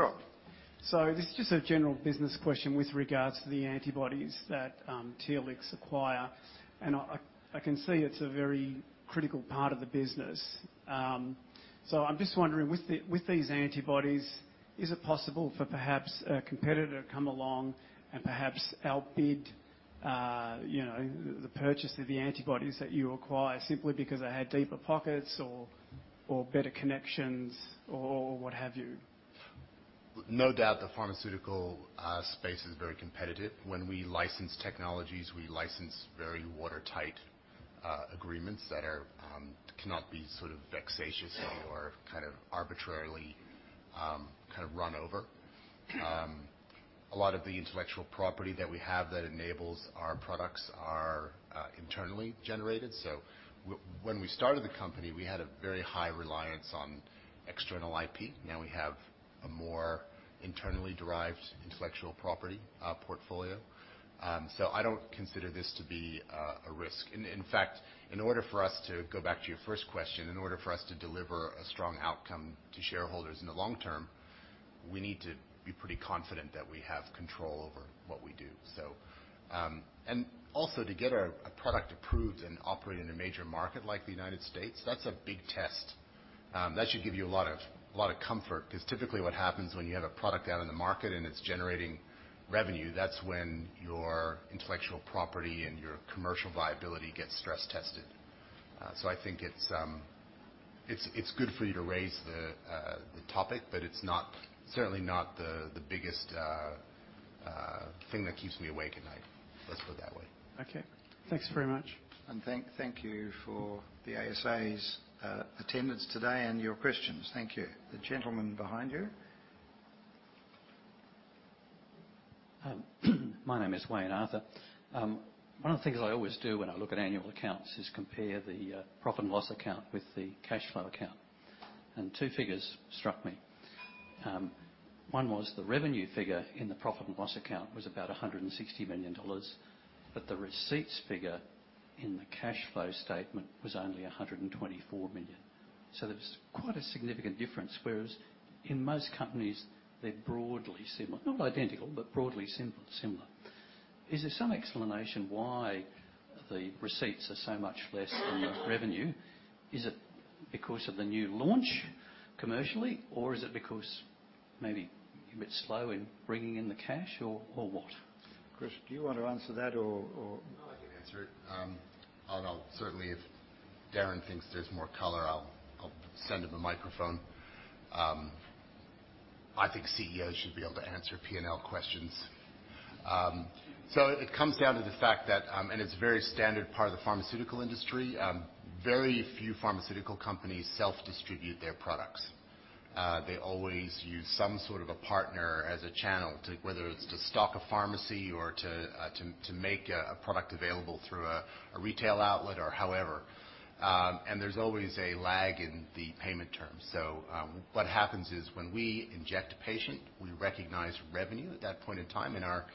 sure. This is just a general business question with regards to the antibodies that Telix acquire. I can see it's a very critical part of the business. I'm just wondering, with these antibodies, is it possible for perhaps a competitor to come along and perhaps outbid, you know, the purchase of the antibodies that you acquire simply because they had deeper pockets or better connections or what have you? No doubt the pharmaceutical space is very competitive. When we license technologies, we license very watertight agreements that are cannot be sort of vexatiously or kind of arbitrarily run over. A lot of the intellectual property that we have that enables our products are internally generated. When we started the company, we had a very high reliance on external IP. Now we have a more internally derived intellectual property portfolio. I don't consider this to be a risk. In fact, go back to your first question, in order for us to deliver a strong outcome to shareholders in the long term, we need to be pretty confident that we have control over what we do. Also to get our product approved and operate in a major market like the United States, that's a big test. That should give you a lot of comfort. 'Cause typically what happens when you have a product out in the market and it's generating revenue, that's when your intellectual property and your commercial viability gets stress tested. I think it's good for you to raise the topic, but it's certainly not the biggest thing that keeps me awake at night. Let's put it that way. Okay. Thanks very much. Thank you for the ASA's attendance today and your questions. Thank you. The gentleman behind you. My name is Wayne Arthur. One of the things I always do when I look at annual accounts is compare the profit and loss account with the cash flow account. Two figures struck me. One was the revenue figure in the profit and loss account was about 160 million dollars, but the receipts figure in the cash flow statement was only 124 million. There's quite a significant difference. Whereas in most companies, they're broadly similar. Not identical, but broadly similar. Is there some explanation why the receipts are so much less than the revenue? Is it because of the new launch commercially, or is it because maybe you're a bit slow in bringing in the cash or what? Chris, do you want to answer that or? No, I can answer it. I don't know. Certainly if Darren thinks there's more color, I'll send him a microphone. I think CEOs should be able to answer P&L questions. It comes down to the fact that it's very standard part of the pharmaceutical industry. Very few pharmaceutical companies self-distribute their products. They always use some sort of a partner as a channel to whether it's to stock a pharmacy or to make a product available through a retail outlet or however. There's always a lag in the payment terms. What happens is when we inject a patient, we recognize revenue at that point in time, and our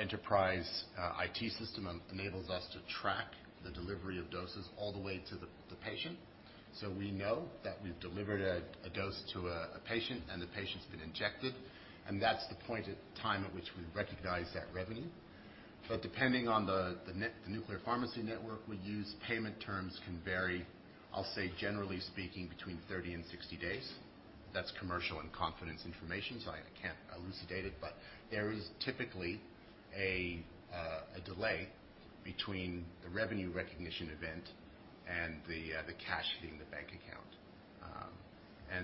enterprise, IT system enables us to track the delivery of doses all the way to the patient. We know that we've delivered a dose to a patient and the patient's been injected, and that's the point in time at which we recognize that revenue. Depending on the nuclear pharmacy network we use, payment terms can vary, I'll say generally speaking, between 30 and 60 days. That's commercial and confidence information, so I can't elucidate it. There is typically a delay between the revenue recognition event and the cash hitting the bank account.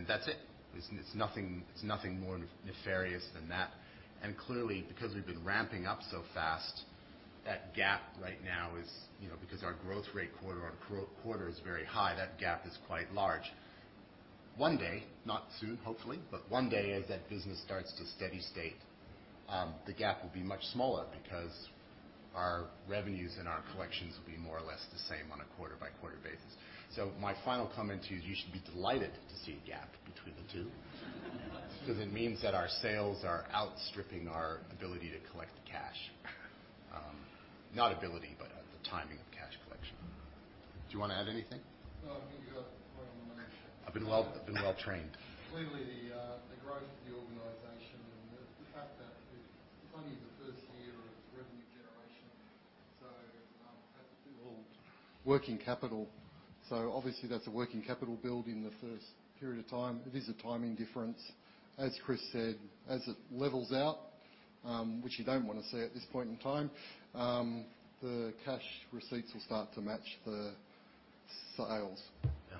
That's it. It's nothing, it's nothing more nefarious than that. Clearly, because we've been ramping up so fast, that gap right now is, you know, because our growth rate quarter on quarter is very high, that gap is quite large. One day, not soon, hopefully, but one day as that business starts to steady-state, the gap will be much smaller because our revenues and our collections will be more or less the same on a quarter-by-quarter basis. My final comment to you should be delighted to see a gap between the two. That means that our sales are outstripping our ability to collect the cash. Not ability, but the timing of cash collection. Do you wanna add anything? No, I think you got it right on the money. I've been well, I've been well-trained. Clearly, the growth of the organization and the fact that it's only the first year of revenue generation, so, that's all working capital. Obviously, that's a working capital build in the first period of time. It is a timing difference. As Chris said, as it levels out, which you don't wanna see at this point in time, the cash receipts will start to match the sales. Yeah.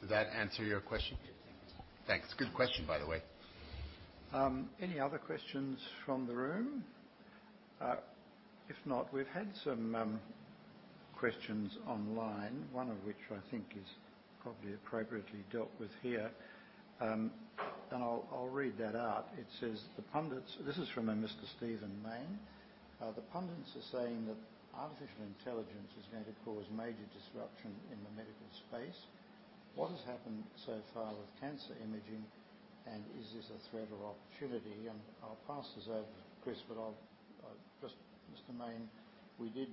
Did that answer your question? Yes, thank you. Thanks. Good question, by the way. Any other questions from the room? If not, we've had some questions online, one of which I think is probably appropriately dealt with here. I'll read that out. It says, "The pundits" This is from a Mr. Stephen Mayne. "The pundits are saying that artificial intelligence is going to cause major disruption in the medical space. What has happened so far with cancer imaging, and is this a threat or opportunity?" I'll pass this over to Chris, but I'll just Mr. Mayne, we did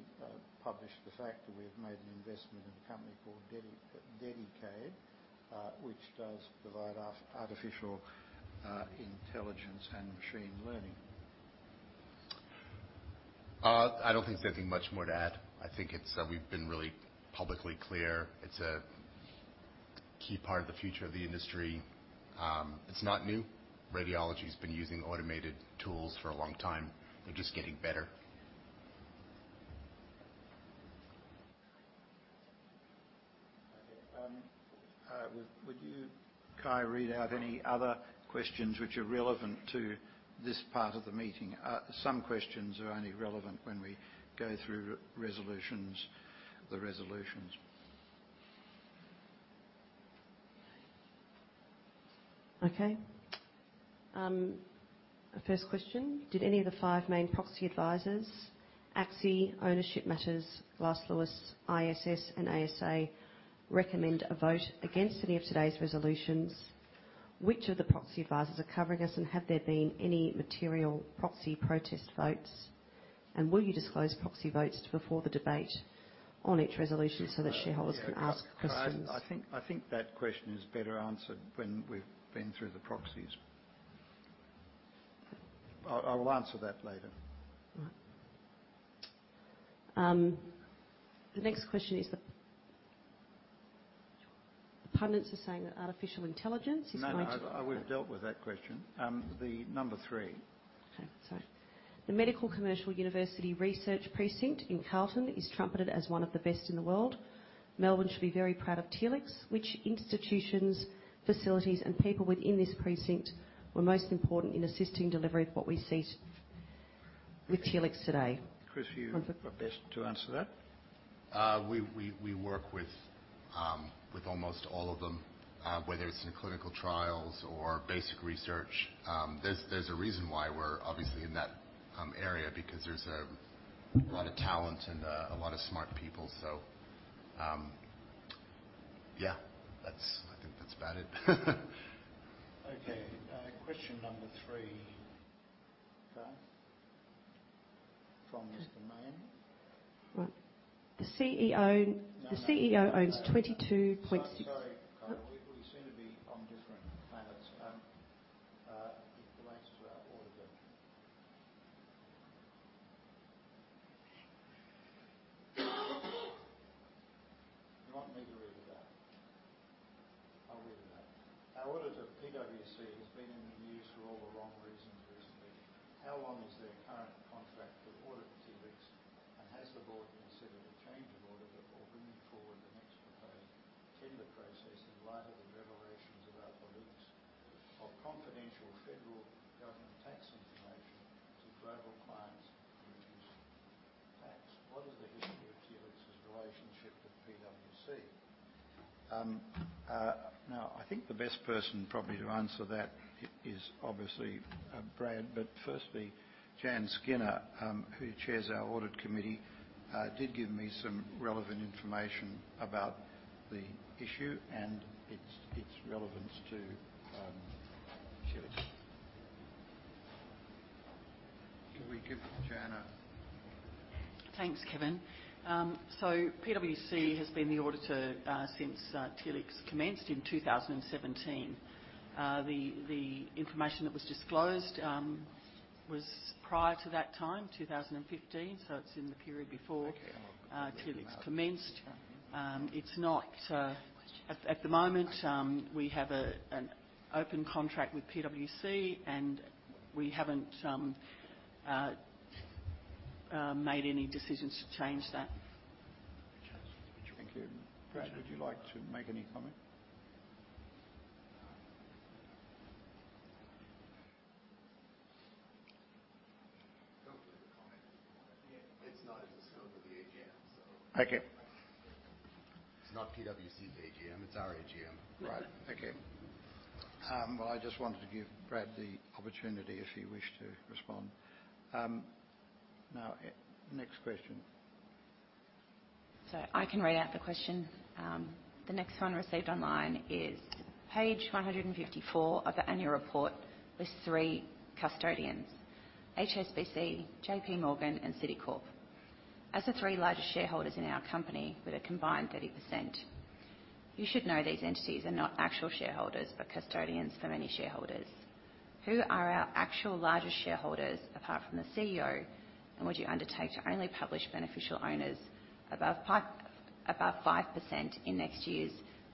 publish the fact that we have made an investment in a company called Dedalus, which does provide artificial intelligence and machine learning. I don't think there's anything much more to add. I think it's, we've been really publicly clear. It's a key part of the future of the industry. It's not new. Radiology's been using automated tools for a long time. They're just getting better. Okay. Would you, Kyahn, read out any other questions which are relevant to this part of the meeting? Some questions are only relevant when we go through the resolutions. First question: Did any of the 5 main proxy advisors, ACSI, Ownership Matters, Glass Lewis, ISS, and ASA, recommend a vote against any of today's resolutions? Which of the proxy advisors are covering us, and have there been any material proxy protest votes? Will you disclose proxy votes before the debate on each resolution so that shareholders can ask questions? Kyahn, I think that question is better answered when we've been through the proxies. I will answer that later. All right. The next question is Pundits are saying that artificial intelligence is going to. No, no, I would've dealt with that question. The number three. Okay, sorry. The Medical Commercial University Research Precinct in Carlton is trumpeted as one of the best in the world. Melbourne should be very proud of Telix. Which institutions, facilities, and people within this precinct were most important in assisting delivery of what we see with Telix today? Chris, do you want best to answer that? We work with almost all of them, whether it's in clinical trials or basic research. There's a reason why we're obviously in that area, because there's a lot of talent and a lot of smart people. Yeah, I think that's about it. Okay, question number three, Kyahn, from Mr. Mayne. Right. The CEO. No. The CEO owns 22 point. Sorry, Kyahn. We seem to be on different planets. He's asked about audit. You want me to read it out? I'll read it out. Our auditor, PwC, for all the wrong reasons recently. Has the board considered a change of auditor or bringing forward the next proposed tender process in light of the revelations about the leaks of confidential federal government tax information to global clients to reduce tax? What is the history of Telix's relationship with PwC? I think the best person probably to answer that is obviously Brad. Firstly, Jann Skinner, who chairs our audit committee, did give me some relevant information about the issue and its relevance to Telix. Can we give Jann Thanks, Kevin. PwC has been the auditor, since Telix commenced in 2017. The information that was disclosed, was prior to that time, 2015, so it's in the period before. Okay. Telix commenced. It's not at the moment, we have an open contract with PwC. We haven't made any decisions to change that. Thank you. Brad, would you like to make any comment? Don't make a comment. It's not the scope of the AGM, so. Okay. It's not PwC's AGM. It's our AGM. Right. Okay. I just wanted to give Brad the opportunity if he wished to respond. Now, next question. I can read out the question. The next one received online is: Page 154 of the annual report lists three custodians, HSBC, JP Morgan, and Citicorp, as the three largest shareholders in our company with a combined 30%. You should know these entities are not actual shareholders, but custodians for many shareholders. Who are our actual largest shareholders apart from the CEO, and would you undertake to only publish beneficial owners above 5% in next year's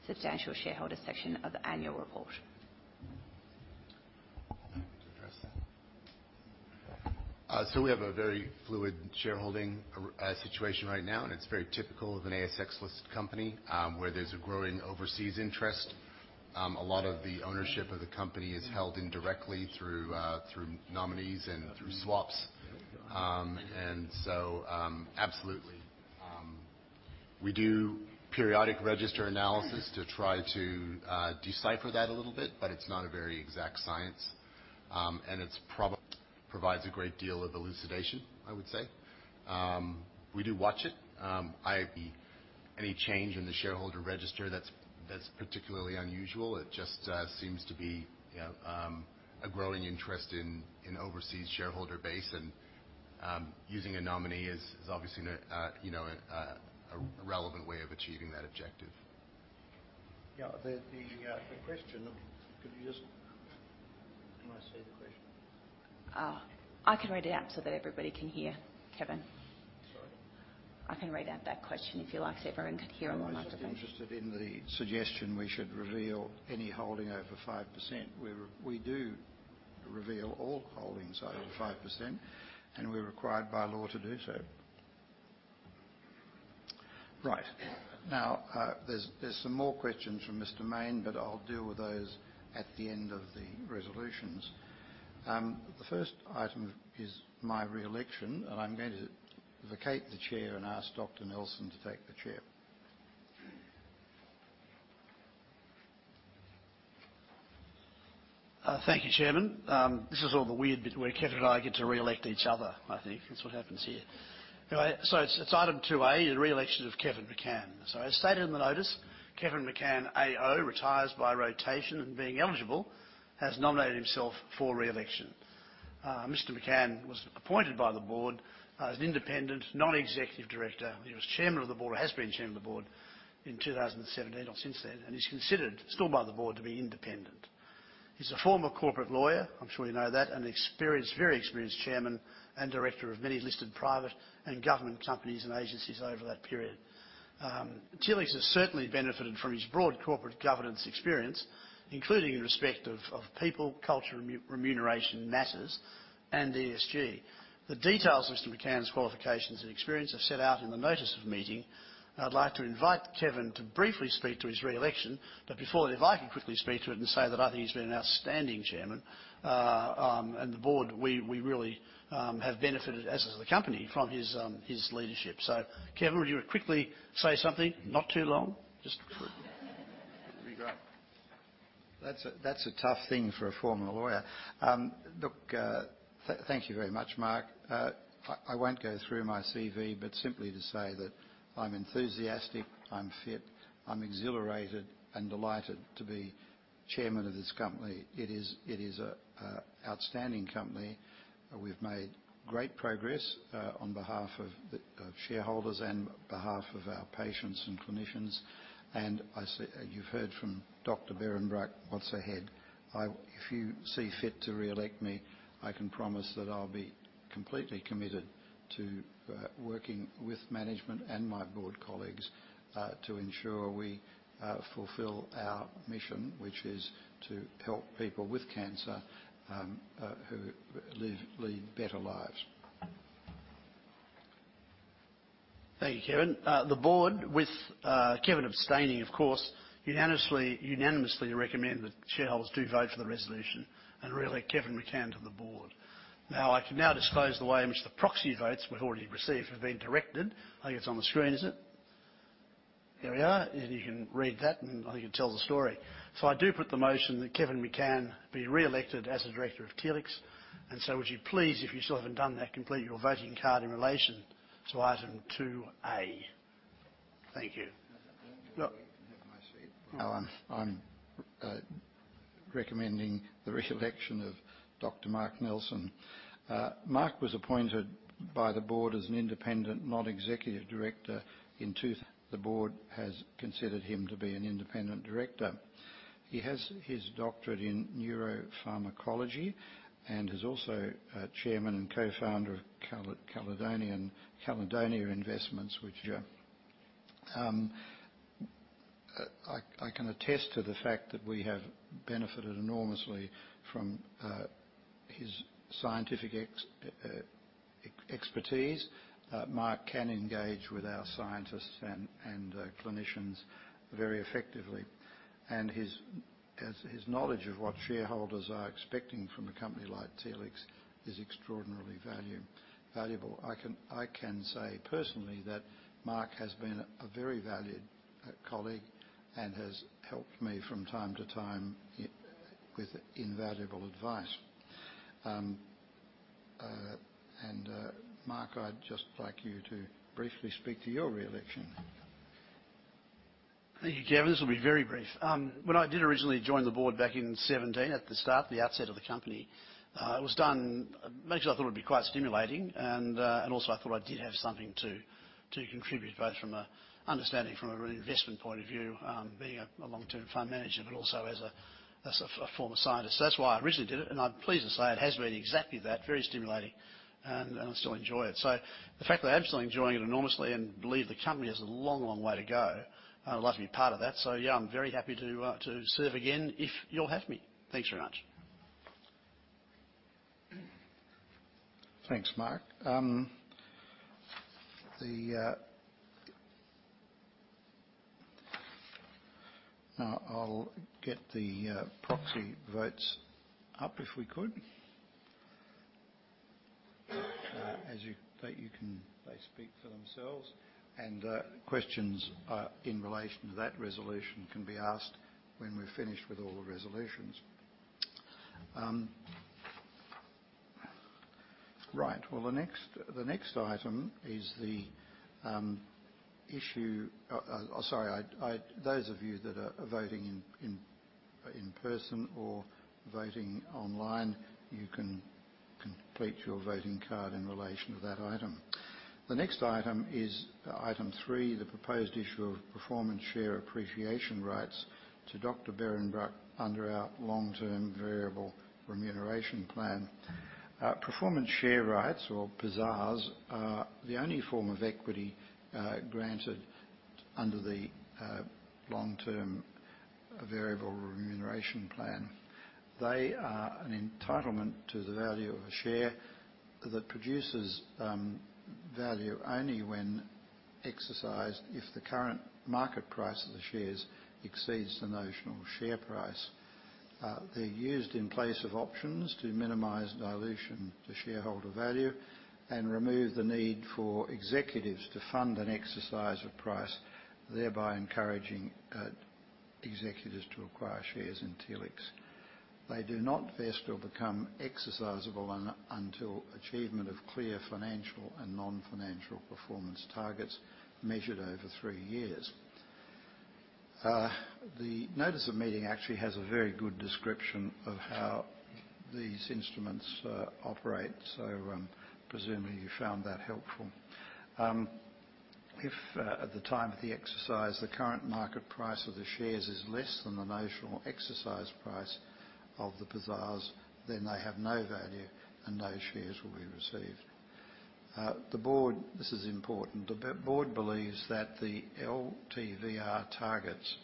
substantial shareholder section of the annual report? How do you address that? We have a very fluid shareholding situation right now, and it's very typical of an ASX-listed company, where there's a growing overseas interest. A lot of the ownership of the company is held indirectly through nominees and through swaps. Absolutely, we do periodic register analysis to try to decipher that a little bit, but it's not a very exact science. It provides a great deal of elucidation, I would say. We do watch it, i.e., any change in the shareholder register that's particularly unusual. It just seems to be, you know, a growing interest in overseas shareholder base, using a nominee is obviously not, you know, a relevant way of achieving that objective. Yeah. The question, could you just. Do you wanna say the question? I can read it out so that everybody can hear, Kevin. Sorry? I can read out that question if you like, so everyone can hear. No, I'm just interested in the suggestion we should reveal any holding over 5%. We do reveal all holdings over 5%, and we're required by law to do so. Right. Now, there's some more questions from Mr. Mayne, but I'll deal with those at the end of the resolutions. The first item is my reelection, and I'm going to vacate the chair and ask Dr. Nelson to take the chair. Thank you, Chairman. This is all the weird bit where Kevin and I get to reelect each other. I think that's what happens here. All right. It's item two A, the reelection of Kevin McCann. As stated in the notice, Kevin McCann AO retires by rotation and being eligible, has nominated himself for reelection. Mr. McCann was appointed by the board as an independent, non-executive director. He was chairman of the board, or has been chairman of the board in 2017 or since then, and he's considered still by the board to be independent. He's a former corporate lawyer, I'm sure you know that, an experienced, very experienced chairman and director of many listed private and government companies and agencies over that period. Telix has certainly benefited from his broad corporate governance experience, including in respect of people, culture, remuneration matters and ESG. The details of Mr. McCann's qualifications and experience are set out in the notice of the meeting. I'd like to invite Kevin to briefly speak to his reelection, but before that, if I can quickly speak to it and say that I think he's been an outstanding chairman. And the board, we really have benefited, as has the company, from his leadership. Kevin, would you quickly say something? Not too long. Just quick. That'd be great. That's a, that's a tough thing for a former lawyer. Look, thank you very much, Mark. I won't go through my CV, but simply to say that I'm enthusiastic, I'm fit, I'm exhilarated and delighted to be chairman of this company. It is an outstanding company. We've made great progress on behalf of the shareholders and behalf of our patients and clinicians. You've heard from Dr. Behrenbruch what's ahead. If you see fit to reelect me, I can promise that I'll be completely committed to working with management and my board colleagues, to ensure we fulfill our mission, which is to help people with cancer, who live, lead better lives. Thank you, Kevin. The board with Kevin abstaining, of course, unanimously recommend that shareholders do vote for the resolution and re-elect Kevin McCann to the board. I can now disclose the way in which the proxy votes we've already received have been directed. I think it's on the screen, is it? Here we are. You can read that, and I think it tells the story. I do put the motion that Kevin McCann be reelected as a director of Telix. Would you please, if you still haven't done that, complete your voting card in relation to item 2A. Thank you. I'm recommending the reelection of Dr. Mark Nelson. Mark was appointed by the board as an independent non-executive director. In truth, the board has considered him to be an independent director. He has his doctorate in neuropharmacology and is also chairman and co-founder of Caledonia Investments, which I can attest to the fact that we have benefited enormously from his scientific expertise. Mark can engage with our scientists and clinicians very effectively. His knowledge of what shareholders are expecting from a company like Telix is extraordinarily valuable. I can say personally that Mark has been a very valued colleague and has helped me from time to time with invaluable advice. Mark, I'd just like you to briefly speak to your reelection. Thank you, Kevin. This will be very brief. When I did originally join the board back in 2017, at the start, the outset of the company, it was done mainly because I thought it'd be quite stimulating and also I thought I did have something to contribute, both from an understanding from an investment point of view, being a long-term fund manager, but also as a, as a former scientist. That's why I originally did it, and I'm pleased to say it has been exactly that, very stimulating, and I still enjoy it. The fact that I'm still enjoying it enormously and believe the company has a long, long way to go, I'd love to be part of that. Yeah, I'm very happy to serve again, if you'll have me. Thanks very much. Thanks, Mark. Now I'll get the proxy votes up, if we could. They speak for themselves. Questions in relation to that resolution can be asked when we're finished with all the resolutions. Right. Those of you that are voting in person or voting online, you can complete your voting card in relation to that item. The next item is item three, the proposed issue of performance share appreciation rights to Dr. Behrenbruch under our long-term variable remuneration plan. Performance share rights or PSARs are the only form of equity granted under the long-term variable remuneration plan. They are an entitlement to the value of a share that produces value only when exercised if the current market price of the shares exceeds the notional share price. They're used in place of options to minimize dilution to shareholder value and remove the need for executives to fund an exercise of price, thereby encouraging executives to acquire shares in Telix. They do not vest or become exercisable until achievement of clear financial and non-financial performance targets measured over three years. The notice of meeting actually has a very good description of how these instruments operate, so presumably you found that helpful. If, at the time of the exercise, the current market price of the shares is less than the notional exercise price of the PSARs, then they have no value and no shares will be received. The board, this is important. The board believes that the LTVR targets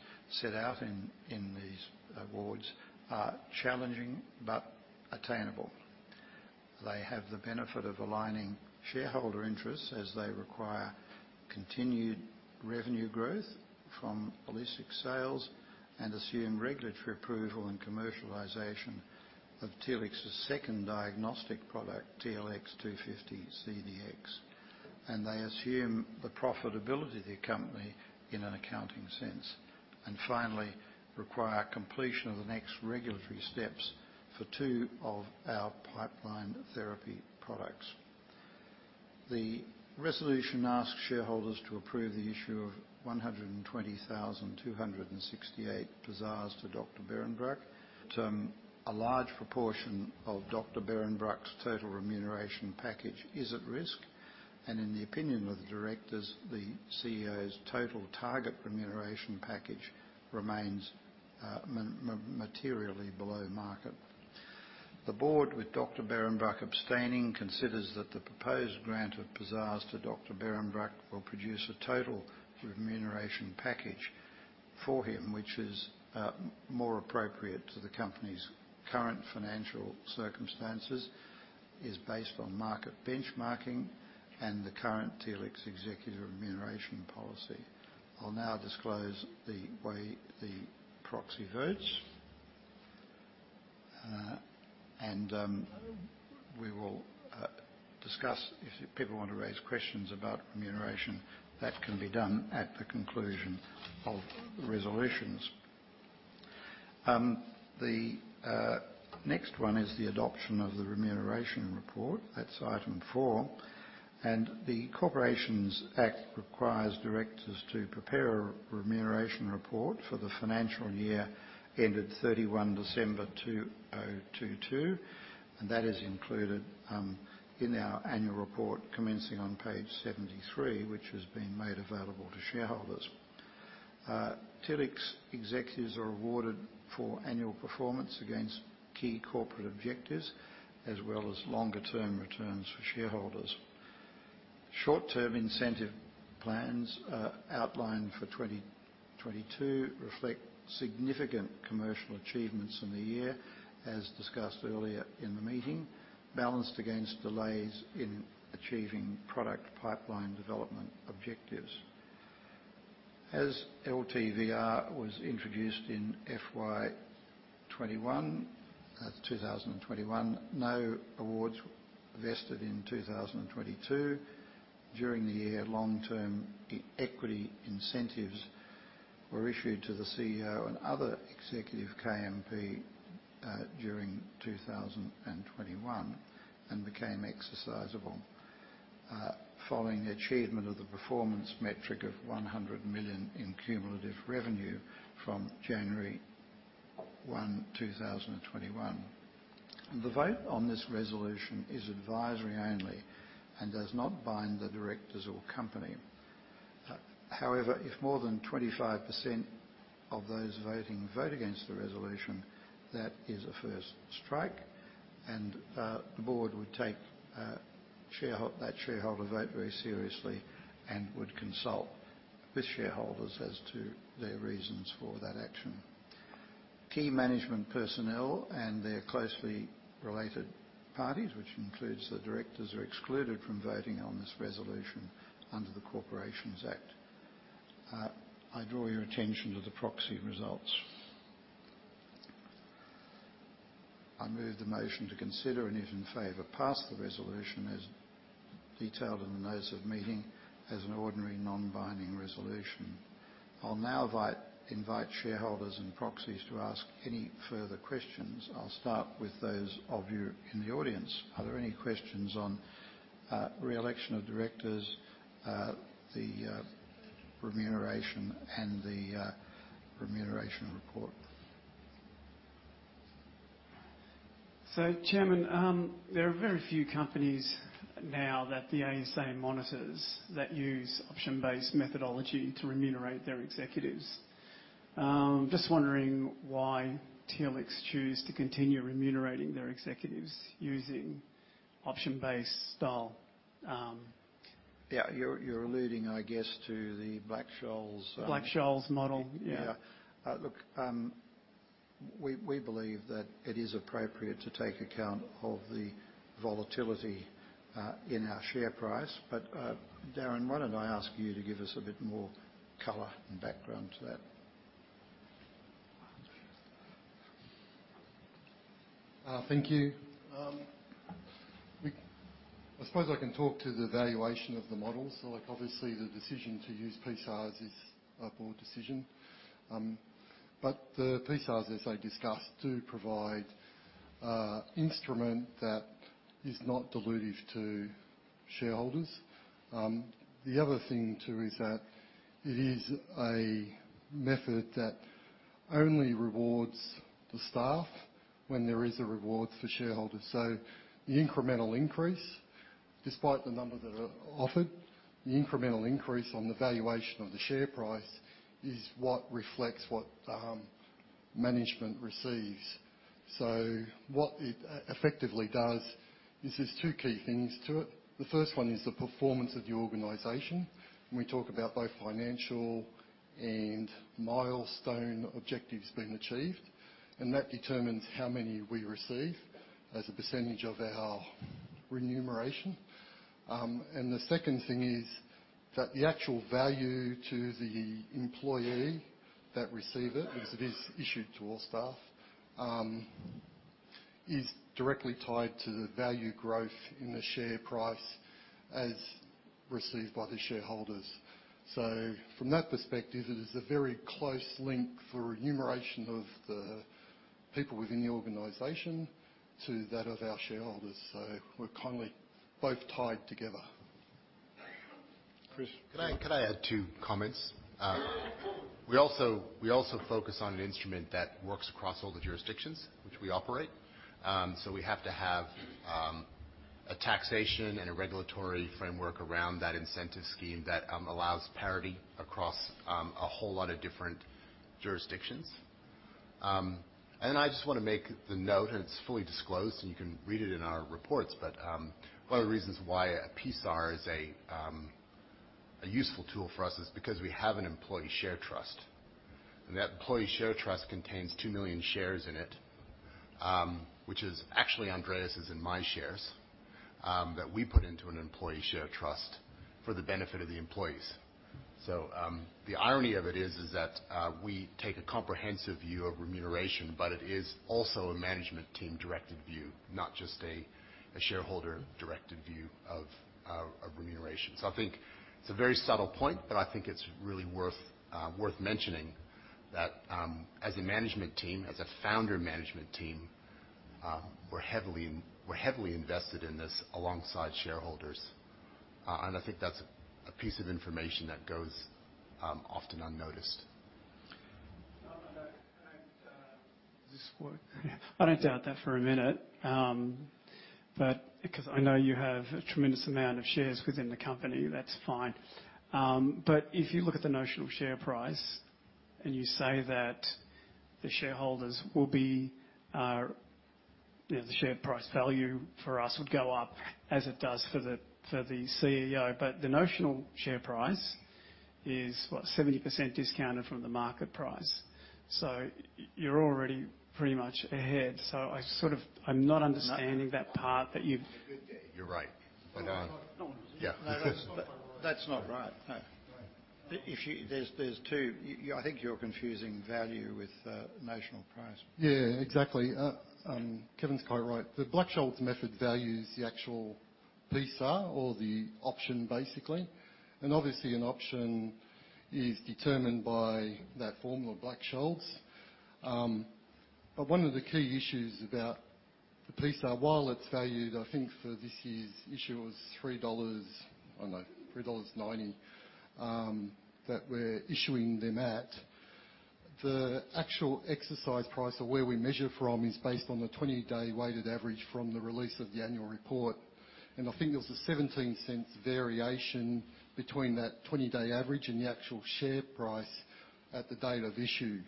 set out in these awards are challenging but attainable. They have the benefit of aligning shareholder interests as they require continued revenue growth from Illuccix sales and assume regulatory approval and commercialization of Telix's second diagnostic product, TLX250-CDx. They assume the profitability of the company in an accounting sense. Finally, require completion of the next regulatory steps for two of our pipeline therapy products. The resolution asks shareholders to approve the issue of 120,268 PSARs to Dr. Behrenbruch. A large proportion of Dr. Behrenbruch's total remuneration package is at risk. In the opinion of the directors, the CEO's total target remuneration package remains materially below market. The board, with Dr. Behrenbruch abstaining, considers that the proposed grant of PSARs to Dr. Behrenbruch will produce a total remuneration package for him, which is more appropriate to the company's current financial circumstances is based on market benchmarking and the current Telix executive remuneration policy. I'll now disclose the way the proxy votes. We will discuss if people want to raise questions about remuneration, that can be done at the conclusion of the resolutions. The next one is the adoption of the remuneration report. That's item 4. The Corporations Act requires directors to prepare a remuneration report for the financial year ended 31 December 2022. That is included in our annual report commencing on page 73, which has been made available to shareholders. Telix executives are awarded for annual performance against key corporate objectives as well as longer-term returns for shareholders. Short-term incentive plans, outlined for 2022 reflect significant commercial achievements in the year, as discussed earlier in the meeting, balanced against delays in achieving product pipeline development objectives. As LTVR was introduced in FY 2021, no awards vested in 2022. During the year, long-term e-equity incentives were issued to the CEO and other executive KMP, during 2021 and became exercisable, following the achievement of the performance metric of 100 million in cumulative revenue from January 1, 2021. The vote on this resolution is advisory only and does not bind the directors or company. However, if more than 25% of those voting vote against the resolution, that is a first strike, and the board would take that shareholder vote very seriously and would consult with shareholders as to their reasons for that action. Key management personnel and their closely related parties, which includes the directors, are excluded from voting on this resolution under the Corporations Act. I draw your attention to the proxy results. I move the motion to consider and if in favor, pass the resolution as detailed in the notice of meeting as an ordinary non-binding resolution. I'll now invite shareholders and proxies to ask any further questions. I'll start with those of you in the audience. Are there any questions on reelection of directors, the remuneration, and the remuneration report? Chairman, there are very few companies now that the ASA monitors that use option-based methodology to remunerate their executives. Just wondering why Telix choose to continue remunerating their executives using option-based style? Yeah, you're alluding, I guess, to the Black-Scholes. Black-Scholes model. Yeah. Yeah. look, we believe that it is appropriate to take account of the volatility in our share price. Darren, why don't I ask you to give us a bit more color and background to that? Thank you. I suppose I can talk to the valuation of the models. Like, obviously, the decision to use PSARs is a board decision. The PSARs, as I discussed, do provide a instrument that is not dilutive to shareholders. The other thing, too, is that it is a method that only rewards the staff when there is a reward for shareholders. The incremental increase, despite the number that are offered, the incremental increase on the valuation of the share price is what reflects what management receives. What it effectively does is there's two key things to it. The first one is the performance of the organization, and we talk about both financial and milestone objectives being achieved, and that determines how many we receive as a percentage of our remuneration. The second thing is that the actual value to the employee that receive it, because it is issued to all staff, is directly tied to the value growth in the share price as received by the shareholders. From that perspective, it is a very close link for remuneration of the people within the organization to that of our shareholders. We're kindly both tied together. Chris. Could I add 2 comments? We also focus on an instrument that works across all the jurisdictions which we operate. We have to have a taxation and a regulatory framework around that incentive scheme that allows parity across a whole lot of different jurisdictions. I just wanna make the note, and it's fully disclosed, and you can read it in our reports, one of the reasons why a PSAR is a useful tool for us is because we have an employee share trust. That employee share trust contains 2 million shares in it, which is actually Andreas' and my shares, that we put into an employee share trust for the benefit of the employees. The irony of it is that we take a comprehensive view of remuneration, but it is also a management team-directed view, not just a shareholder-directed view of remuneration. I think it's a very subtle point, but I think it's really worth mentioning that, as a management team, as a founder management team, we're heavily invested in this alongside shareholders. I think that's a piece of information that goes often unnoticed. No, does this work? Yeah. I don't doubt that for a minute. Because I know you have a tremendous amount of shares within the company, that's fine. If you look at the notional share price, and you say that the shareholders will be, you know, the share price value for us would go up as it does for the, for the CEO. The notional share price is, what, 70% discounted from the market price. You're already pretty much ahead. I'm not understanding that part that you've You're right. Yeah. No, that's not, that's not right. No. Right. There's two. I think you're confusing value with notional price. Yeah, exactly. Kevin's quite right. The Black-Scholes method values the actual PSAR or the option basically. Obviously, an option is determined by that formula, Black-Scholes. One of the key issues about the PSAR, while it's valued, I think for this year's issue was 3 dollars, I don't know, 3.90 dollars, that we're issuing them at. The actual exercise price or where we measure from is based on the 20-day weighted average from the release of the annual report. I think there was a 0.17 variation between that 20-day average and the actual share price at the date of issue.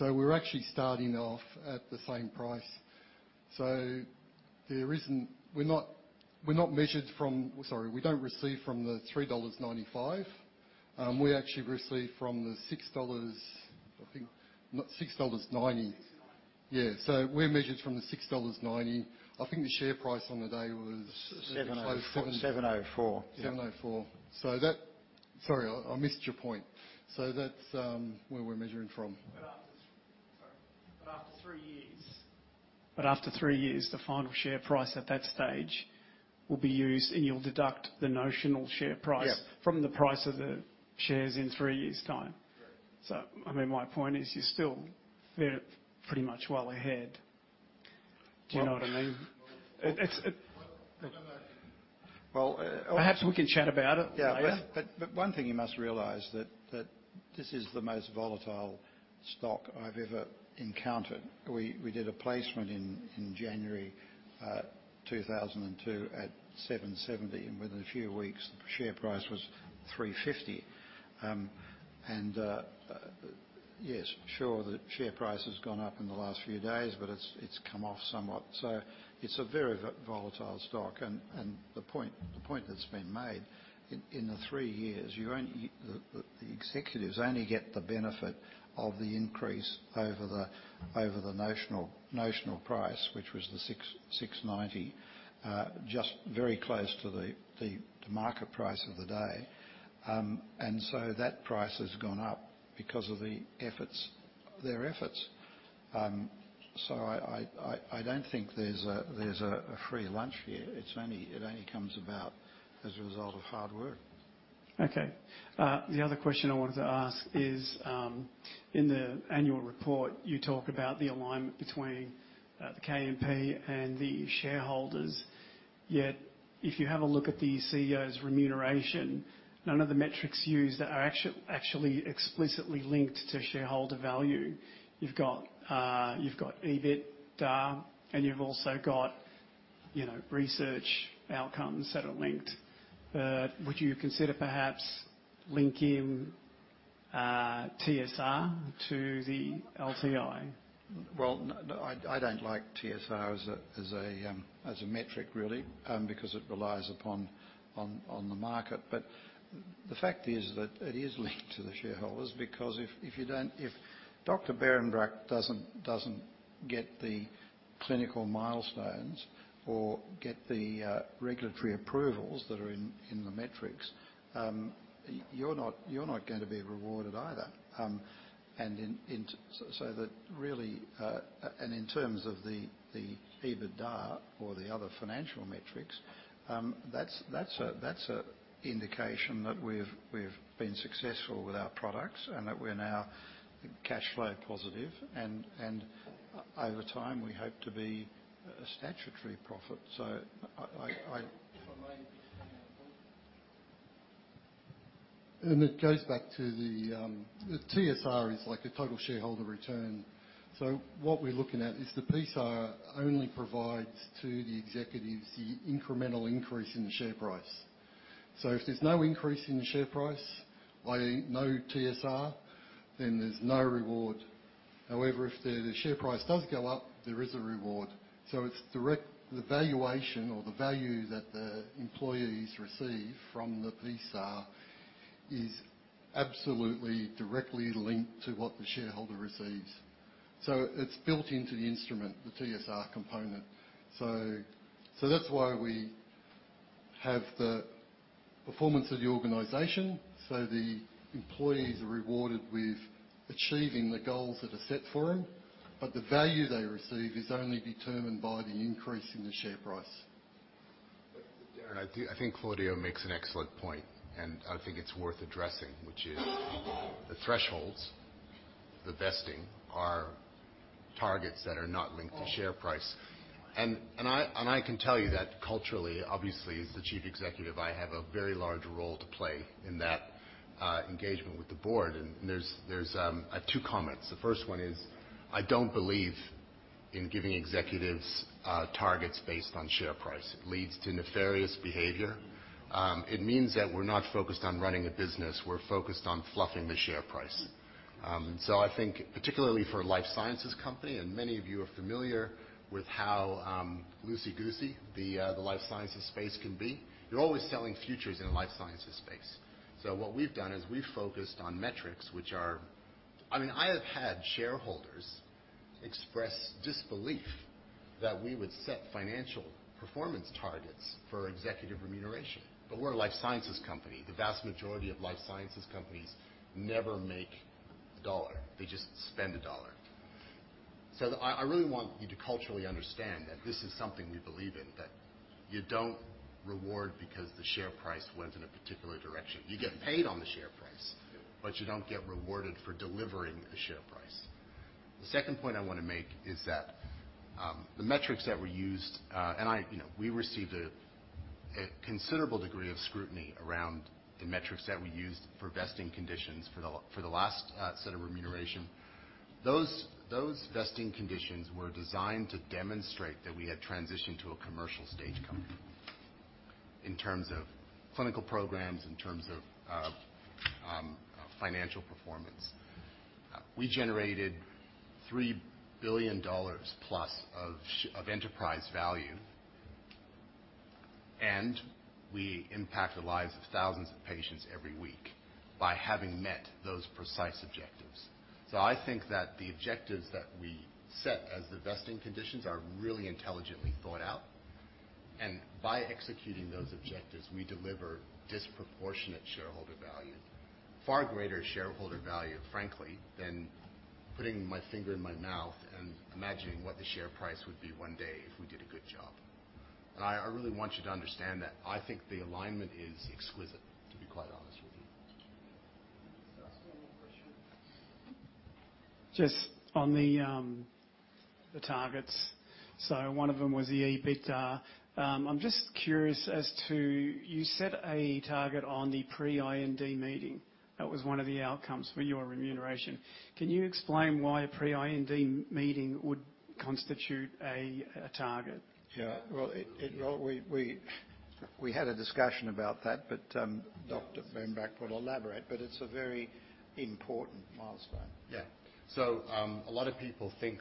We're actually starting off at the same price. There isn't. We're not measured from. Sorry, we don't receive from the 3.95 dollars. We actually receive from the 6 dollars, I think, not AUD 6.90. 690. Yeah. We're measured from the 6.90 dollars. I think the share price on the day was Seven oh. Close to seven. 7:04. 704. Sorry, I missed your point. That's where we're measuring from. After three. Sorry. After three years. After three years, the final share price at that stage will be used, and you'll deduct the notional share price. Yeah from the price of the shares in three years' time. Correct. I mean, my point is, you're still, they're pretty much well ahead. Do you know what I mean? Well, it's Well. Well. Perhaps we can chat about it later. Yeah. One thing you must realize that this is the most volatile stock I've ever encountered. We did a placement in January 2002 at 770, and within a few weeks, the share price was 350. Yes, sure, the share price has gone up in the last few days, but it's come off somewhat. It's a very volatile stock. The point that's been made in the three years, you only the executives only get the benefit of the increase over the notional price, which was the 690, just very close to the market price of the day. That price has gone up because of the efforts, their efforts. I don't think there's a free lunch here. It only comes about as a result of hard work. Okay. The other question I wanted to ask is, in the annual report, you talk about the alignment between the KMP and the shareholders. If you have a look at the CEO's remuneration, none of the metrics used are actually explicitly linked to shareholder value. You've got, you've got EBITDA, and you've also got, you know, research outcomes that are linked. Would you consider perhaps linking TSR to the LTI? No, I don't like TSR as a, as a metric really, because it relies upon on the market. The fact is that it is linked to the shareholders because if you don't, If Dr. Behrenbruch doesn't get the clinical milestones or get the regulatory approvals that are in the metrics, you're not gonna be rewarded either. And in so that really and in terms of the EBITDA or the other financial metrics, that's a indication that we've been successful with our products and that we're now cash flow positive. Over time, we hope to be a statutory profit. I- If I may just come in as well. It goes back to the TSR is like the total shareholder return. What we're looking at is the PSAR only provides to the executives the incremental increase in the share price. If there's no increase in the share price, i.e., no TSR, then there's no reward. However, if the share price does go up, there is a reward. The valuation or the value that the employees receive from the PSAR is absolutely directly linked to what the shareholder receives. It's built into the instrument, the TSR component. That's why we have the performance of the organization, so the employees are rewarded with achieving the goals that are set for them, but the value they receive is only determined by the increase in the share price. Darren, I think Claudio makes an excellent point, and I think it's worth addressing, which is the thresholds, the vesting, are targets that are not linked to share price. I can tell you that culturally, obviously, as the chief executive, I have a very large role to play in that engagement with the board. There's, I have two comments. The first one is, I don't believe in giving executives targets based on share price. It leads to nefarious behavior. It means that we're not focused on running a business. We're focused on fluffing the share price. I think particularly for a life sciences company, and many of you are familiar with how loosey-goosey the life sciences space can be. You're always selling futures in a life sciences space. What we've done is we've focused on metrics which are I mean, I have had shareholders express disbelief that we would set financial performance targets for executive remuneration. We're a life sciences company. The vast majority of life sciences companies never make AUD 1. They just spend AUD 1. I really want you to culturally understand that this is something we believe in, that you don't reward because the share price went in a particular direction. You get paid on the share price, but you don't get rewarded for delivering the share price. The second point I wanna make is that the metrics that were used, and I, you know, we received a considerable degree of scrutiny around the metrics that we used for vesting conditions for the last set of remuneration. Those vesting conditions were designed to demonstrate that we had transitioned to a commercial stage company in terms of clinical programs, in terms of financial performance. We generated 3 billion dollars plus of enterprise value, and we impact the lives of thousands of patients every week by having met those precise objectives. I think that the objectives that we set as the vesting conditions are really intelligently thought out. By executing those objectives, we deliver disproportionate shareholder value, far greater shareholder value, frankly, than putting my finger in my mouth and imagining what the share price would be one day if we did a good job. I really want you to understand that I think the alignment is exquisite, to be quite honest with you. question. Just on the targets. One of them was the EBITDA. I'm just curious as to, you set a target on the pre-IND meeting. That was one of the outcomes for your remuneration. Can you explain why a pre-IND meeting would constitute a target? Yeah. Well, we had a discussion about that, but Dr. Behrenbruch will elaborate, but it's a very important milestone. A lot of people think,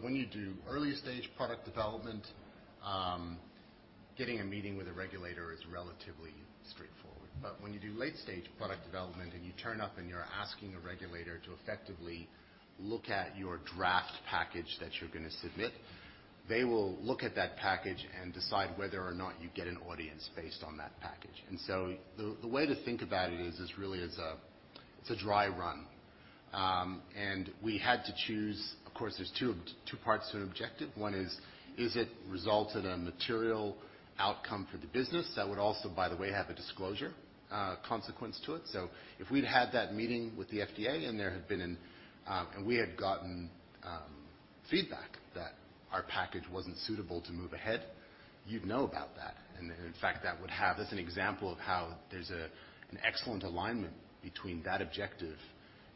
when you do early stage product development, getting a meeting with a regulator is relatively straightforward. When you do late stage product development, and you turn up, and you're asking a regulator to effectively look at your draft package that you're gonna submit, they will look at that package and decide whether or not you get an audience based on that package. The way to think about it is really as a, it's a dry run. We had to choose. Of course, there's two parts to an objective. One is it result in a material outcome for the business? That would also, by the way, have a disclosure consequence to it. If we'd had that meeting with the FDA and there had been an and we had gotten feedback that our package wasn't suitable to move ahead, you'd know about that. In fact, that would have That's an example of how there's an excellent alignment between that objective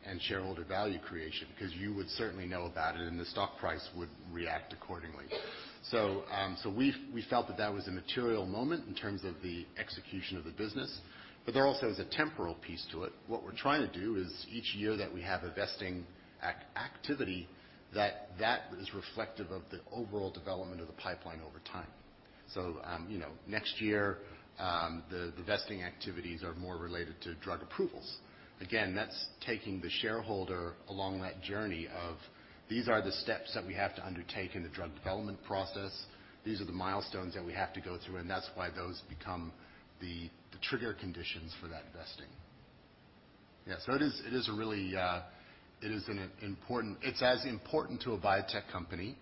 and shareholder value creation, because you would certainly know about it, and the stock price would react accordingly. We felt that that was a material moment in terms of the execution of the business. There also is a temporal piece to it. What we're trying to do is each year that we have a vesting activity, that that is reflective of the overall development of the pipeline over time. You know, next year, the vesting activities are more related to drug approvals. Again, that's taking the shareholder along that journey of, these are the steps that we have to undertake in the drug development process. These are the milestones that we have to go through, and that's why those become the trigger conditions for that vesting. Yeah. It is, it is a really, it is an important. It's as important to a biotech company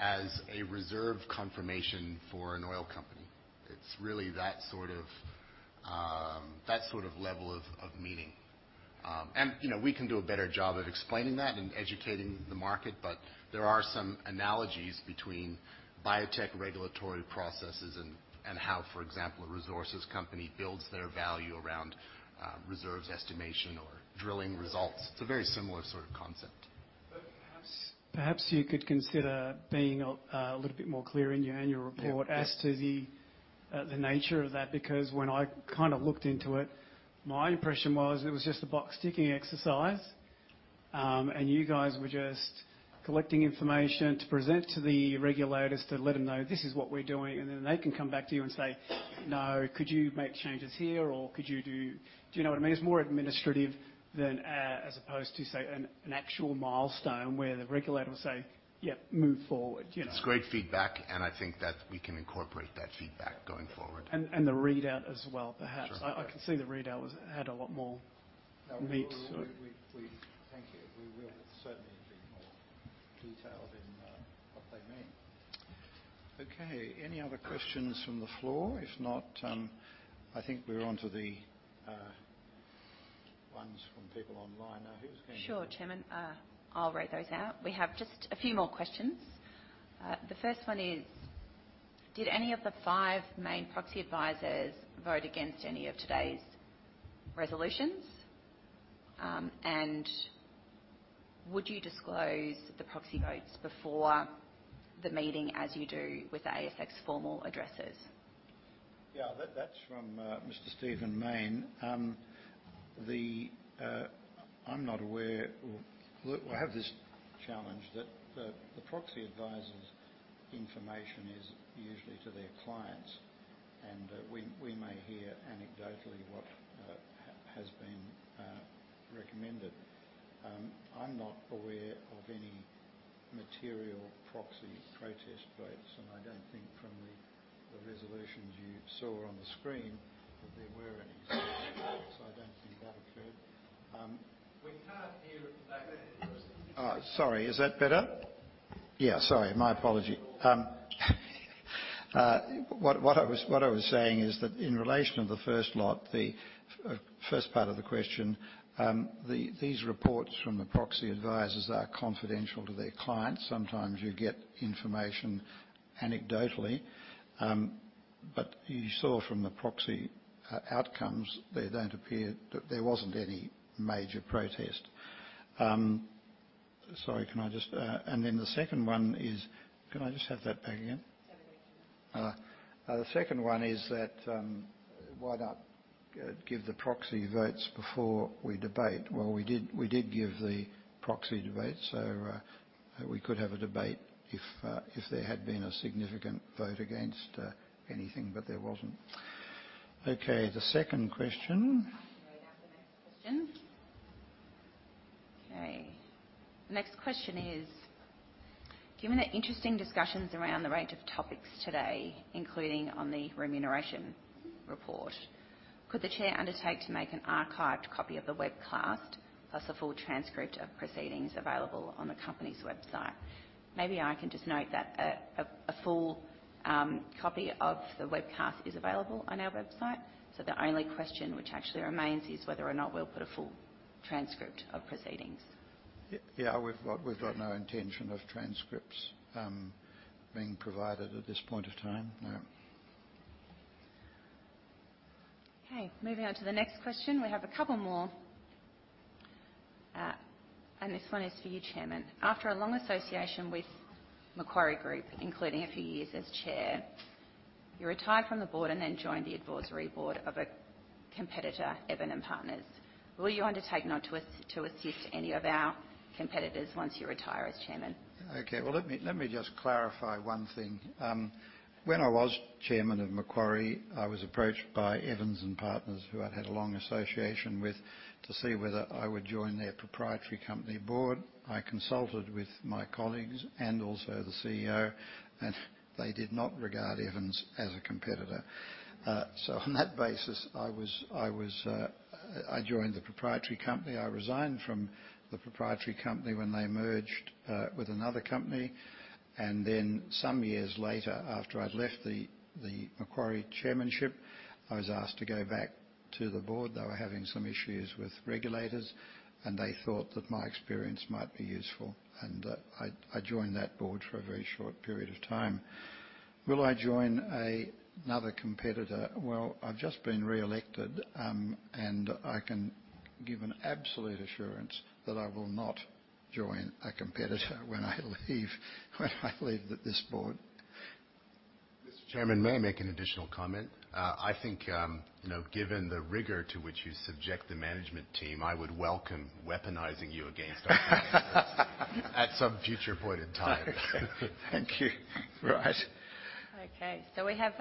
as a reserve confirmation for an oil company. It's really that sort of, that sort of level of meaning. You know, we can do a better job at explaining that and educating the market, but there are some analogies between biotech regulatory processes and how, for example, a resources company builds their value around reserves estimation or drilling results. It's a very similar sort of concept. perhaps you could consider being a little bit more clear in your annual report. Yeah. Yeah. -as to the nature of that. When I kinda looked into it, my impression was it was just a box-ticking exercise. You guys were just collecting information to present to the regulators to let them know this is what we're doing, and then they can come back to you and say, "No. Could you make changes here or could you do, " Do you know what I mean? It's more administrative than as opposed to, say, an actual milestone where the regulator will say, "Yep, move forward." You know? It's great feedback, and I think that we can incorporate that feedback going forward. The readout as well, perhaps. Sure. I can see the readout had a lot more meat. Thank you. We will certainly be more detailed in what they mean. Any other questions from the floor? If not, I think we're onto the ones from people online. Sure, Chairman. I'll read those out. We have just a few more questions. The first one is: Did any of the five main proxy advisors vote against any of today's resolutions? Would you disclose the proxy votes before the meeting as you do with ASX formal addresses? Yeah. That's from Mr. Stephen Mayne. I'm not aware. Well, I have this challenge that the proxy advisor's information is usually to their clients, and we may hear anecdotally what has been recommended. I'm not aware of any material proxy protest votes, and I don't think from the resolutions you saw on the screen that there were any. I don't think that occurred. We can't hear at the back. Oh, sorry. Is that better? Yeah. Sorry. My apology. What I was saying is that in relation to the first lot, the first part of the question, these reports from the proxy advisors are confidential to their clients. Sometimes you get information anecdotally. You saw from the proxy outcomes, they don't appear. There wasn't any major protest. Sorry, can I just. The second one is. Can I just have that back again? Second question. The second one is that: Why not give the proxy votes before we debate? We did give the proxy debates, so we could have a debate if there had been a significant vote against anything, but there wasn't. Okay. The second question. I can read out the next question. Okay. The next question is: Given the interesting discussions around the range of topics today, including on the remuneration report, could the Chair undertake to make an archived copy of the webcast, plus a full transcript of proceedings available on the company's website? Maybe I can just note that a full copy of the webcast is available on our website, so the only question which actually remains is whether or not we'll put a full transcript of proceedings. Yeah. We've got no intention of transcripts being provided at this point of time. No. Okay. Moving on to the next question. We have a couple more. This one is for you, Chairman: After a long association with Macquarie Group, including a few years as chair, you retired from the board and then joined the advisory board of a competitor, Evans & Partners. Will you undertake not to to assist any of our competitors once you retire as chairman? Okay. Well, let me just clarify one thing. When I was chairman of Macquarie, I was approached by Evans & Partners, who I'd had a long association with, to see whether I would join their proprietary company board. I consulted with my colleagues and also the CEO, they did not regard Evans as a competitor. On that basis I joined the proprietary company. I resigned from the proprietary company when they merged with another company. Some years later, after I'd left the Macquarie chairmanship, I was asked to go back to the board. They were having some issues with regulators, and they thought that my experience might be useful, and I joined that board for a very short period of time. Will I join another competitor? I've just been reelected, and I can give an absolute assurance that I will not join a competitor when I leave, when I leave this board. Mr. Chairman, may I make an additional comment? I think, you know, given the rigor to which you subject the management team, I would welcome weaponizing you against our competitors- -at some future point in time. Okay. Thank you. Right. We have,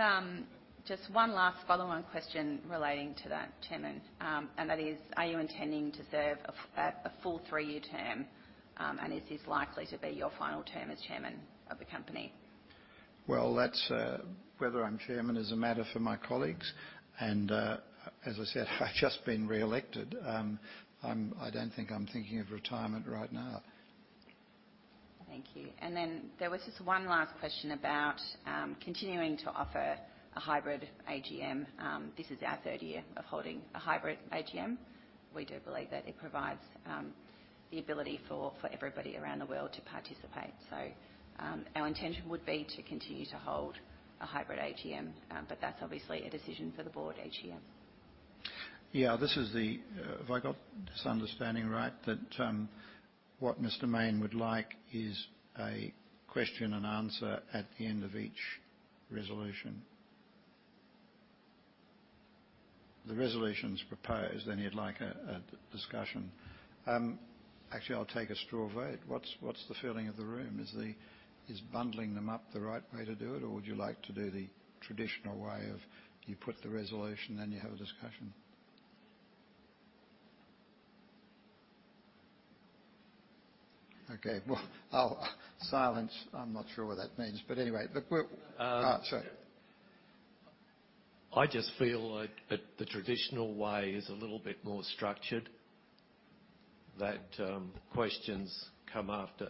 just one last follow-on question relating to that, Chairman. That is: Are you intending to serve a full three-year term, and is this likely to be your final term as chairman of the company? That's. Whether I'm chairman is a matter for my colleagues, and as I said, I've just been reelected. I don't think I'm thinking of retirement right now. Thank you. Then there was just one last question about continuing to offer a hybrid AGM. This is our third year of holding a hybrid AGM. We do believe that it provides the ability for everybody around the world to participate. Our intention would be to continue to hold a hybrid AGM, but that's obviously a decision for the board AGM. Yeah, this is the, have I got this understanding right? That, what Mr. Mayne would like is a question and answer at the end of each resolution. The resolutions proposed, and he'd like a discussion. Actually, I'll take a straw vote. What's the feeling of the room? Is bundling them up the right way to do it, or would you like to do the traditional way of you put the resolution, then you have a discussion? Okay. Well, Silence, I'm not sure what that means, but anyway. Look, we're Uh. sorry. I just feel like that the traditional way is a little bit more structured. Questions come after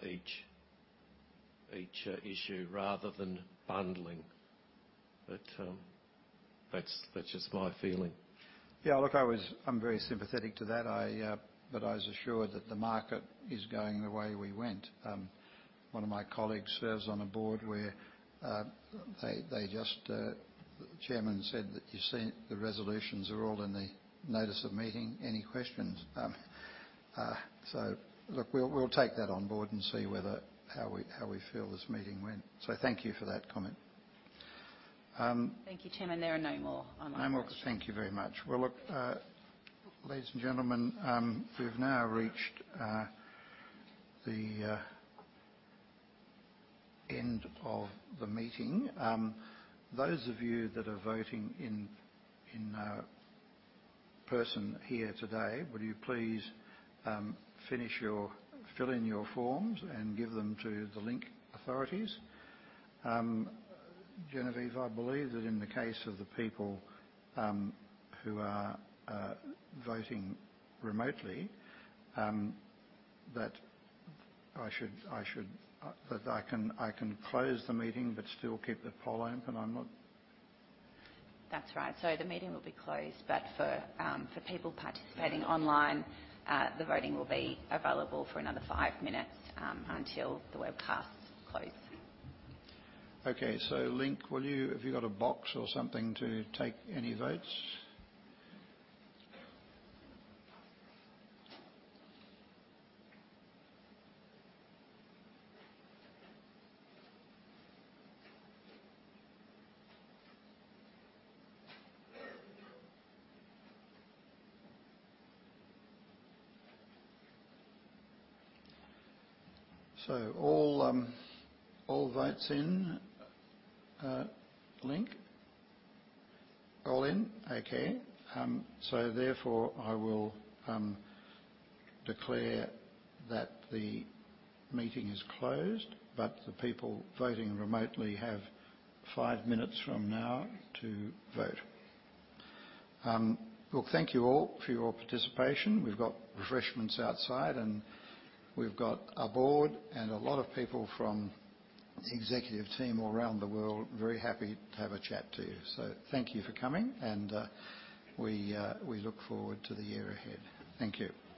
each issue, rather than bundling. That's just my feeling. Yeah, look, I was, I'm very sympathetic to that. I was assured that the market is going the way we went. One of my colleagues serves on a board where the chairman said that you see the resolutions are all in the notice of meeting. Any questions? Look, we'll take that on board and see whether how we feel this meeting went. Thank you for that comment. Thank you, Chairman. There are no more online questions. No more. Thank you very much. Well, look, ladies and gentlemen, we've now reached the end of the meeting. Those of you that are voting in person here today, would you please fill in your forms and give them to the Link authorities. Genevieve, I believe that in the case of the people who are voting remotely, that I can close the meeting but still keep the poll open? I'm not. That's right. The meeting will be closed. For people participating online, the voting will be available for another 5 minutes until the webcast closes. Link, have you got a box or something to take any votes? All votes in Link? All in? Okay. Therefore, I will declare that the meeting is closed. The people voting remotely have five minutes from now to vote. Look, thank you all for your participation. We've got refreshments outside, and we've got a board and a lot of people from the executive team all around the world, very happy to have a chat to you. Thank you for coming, and we look forward to the year ahead. Thank you. Thank you.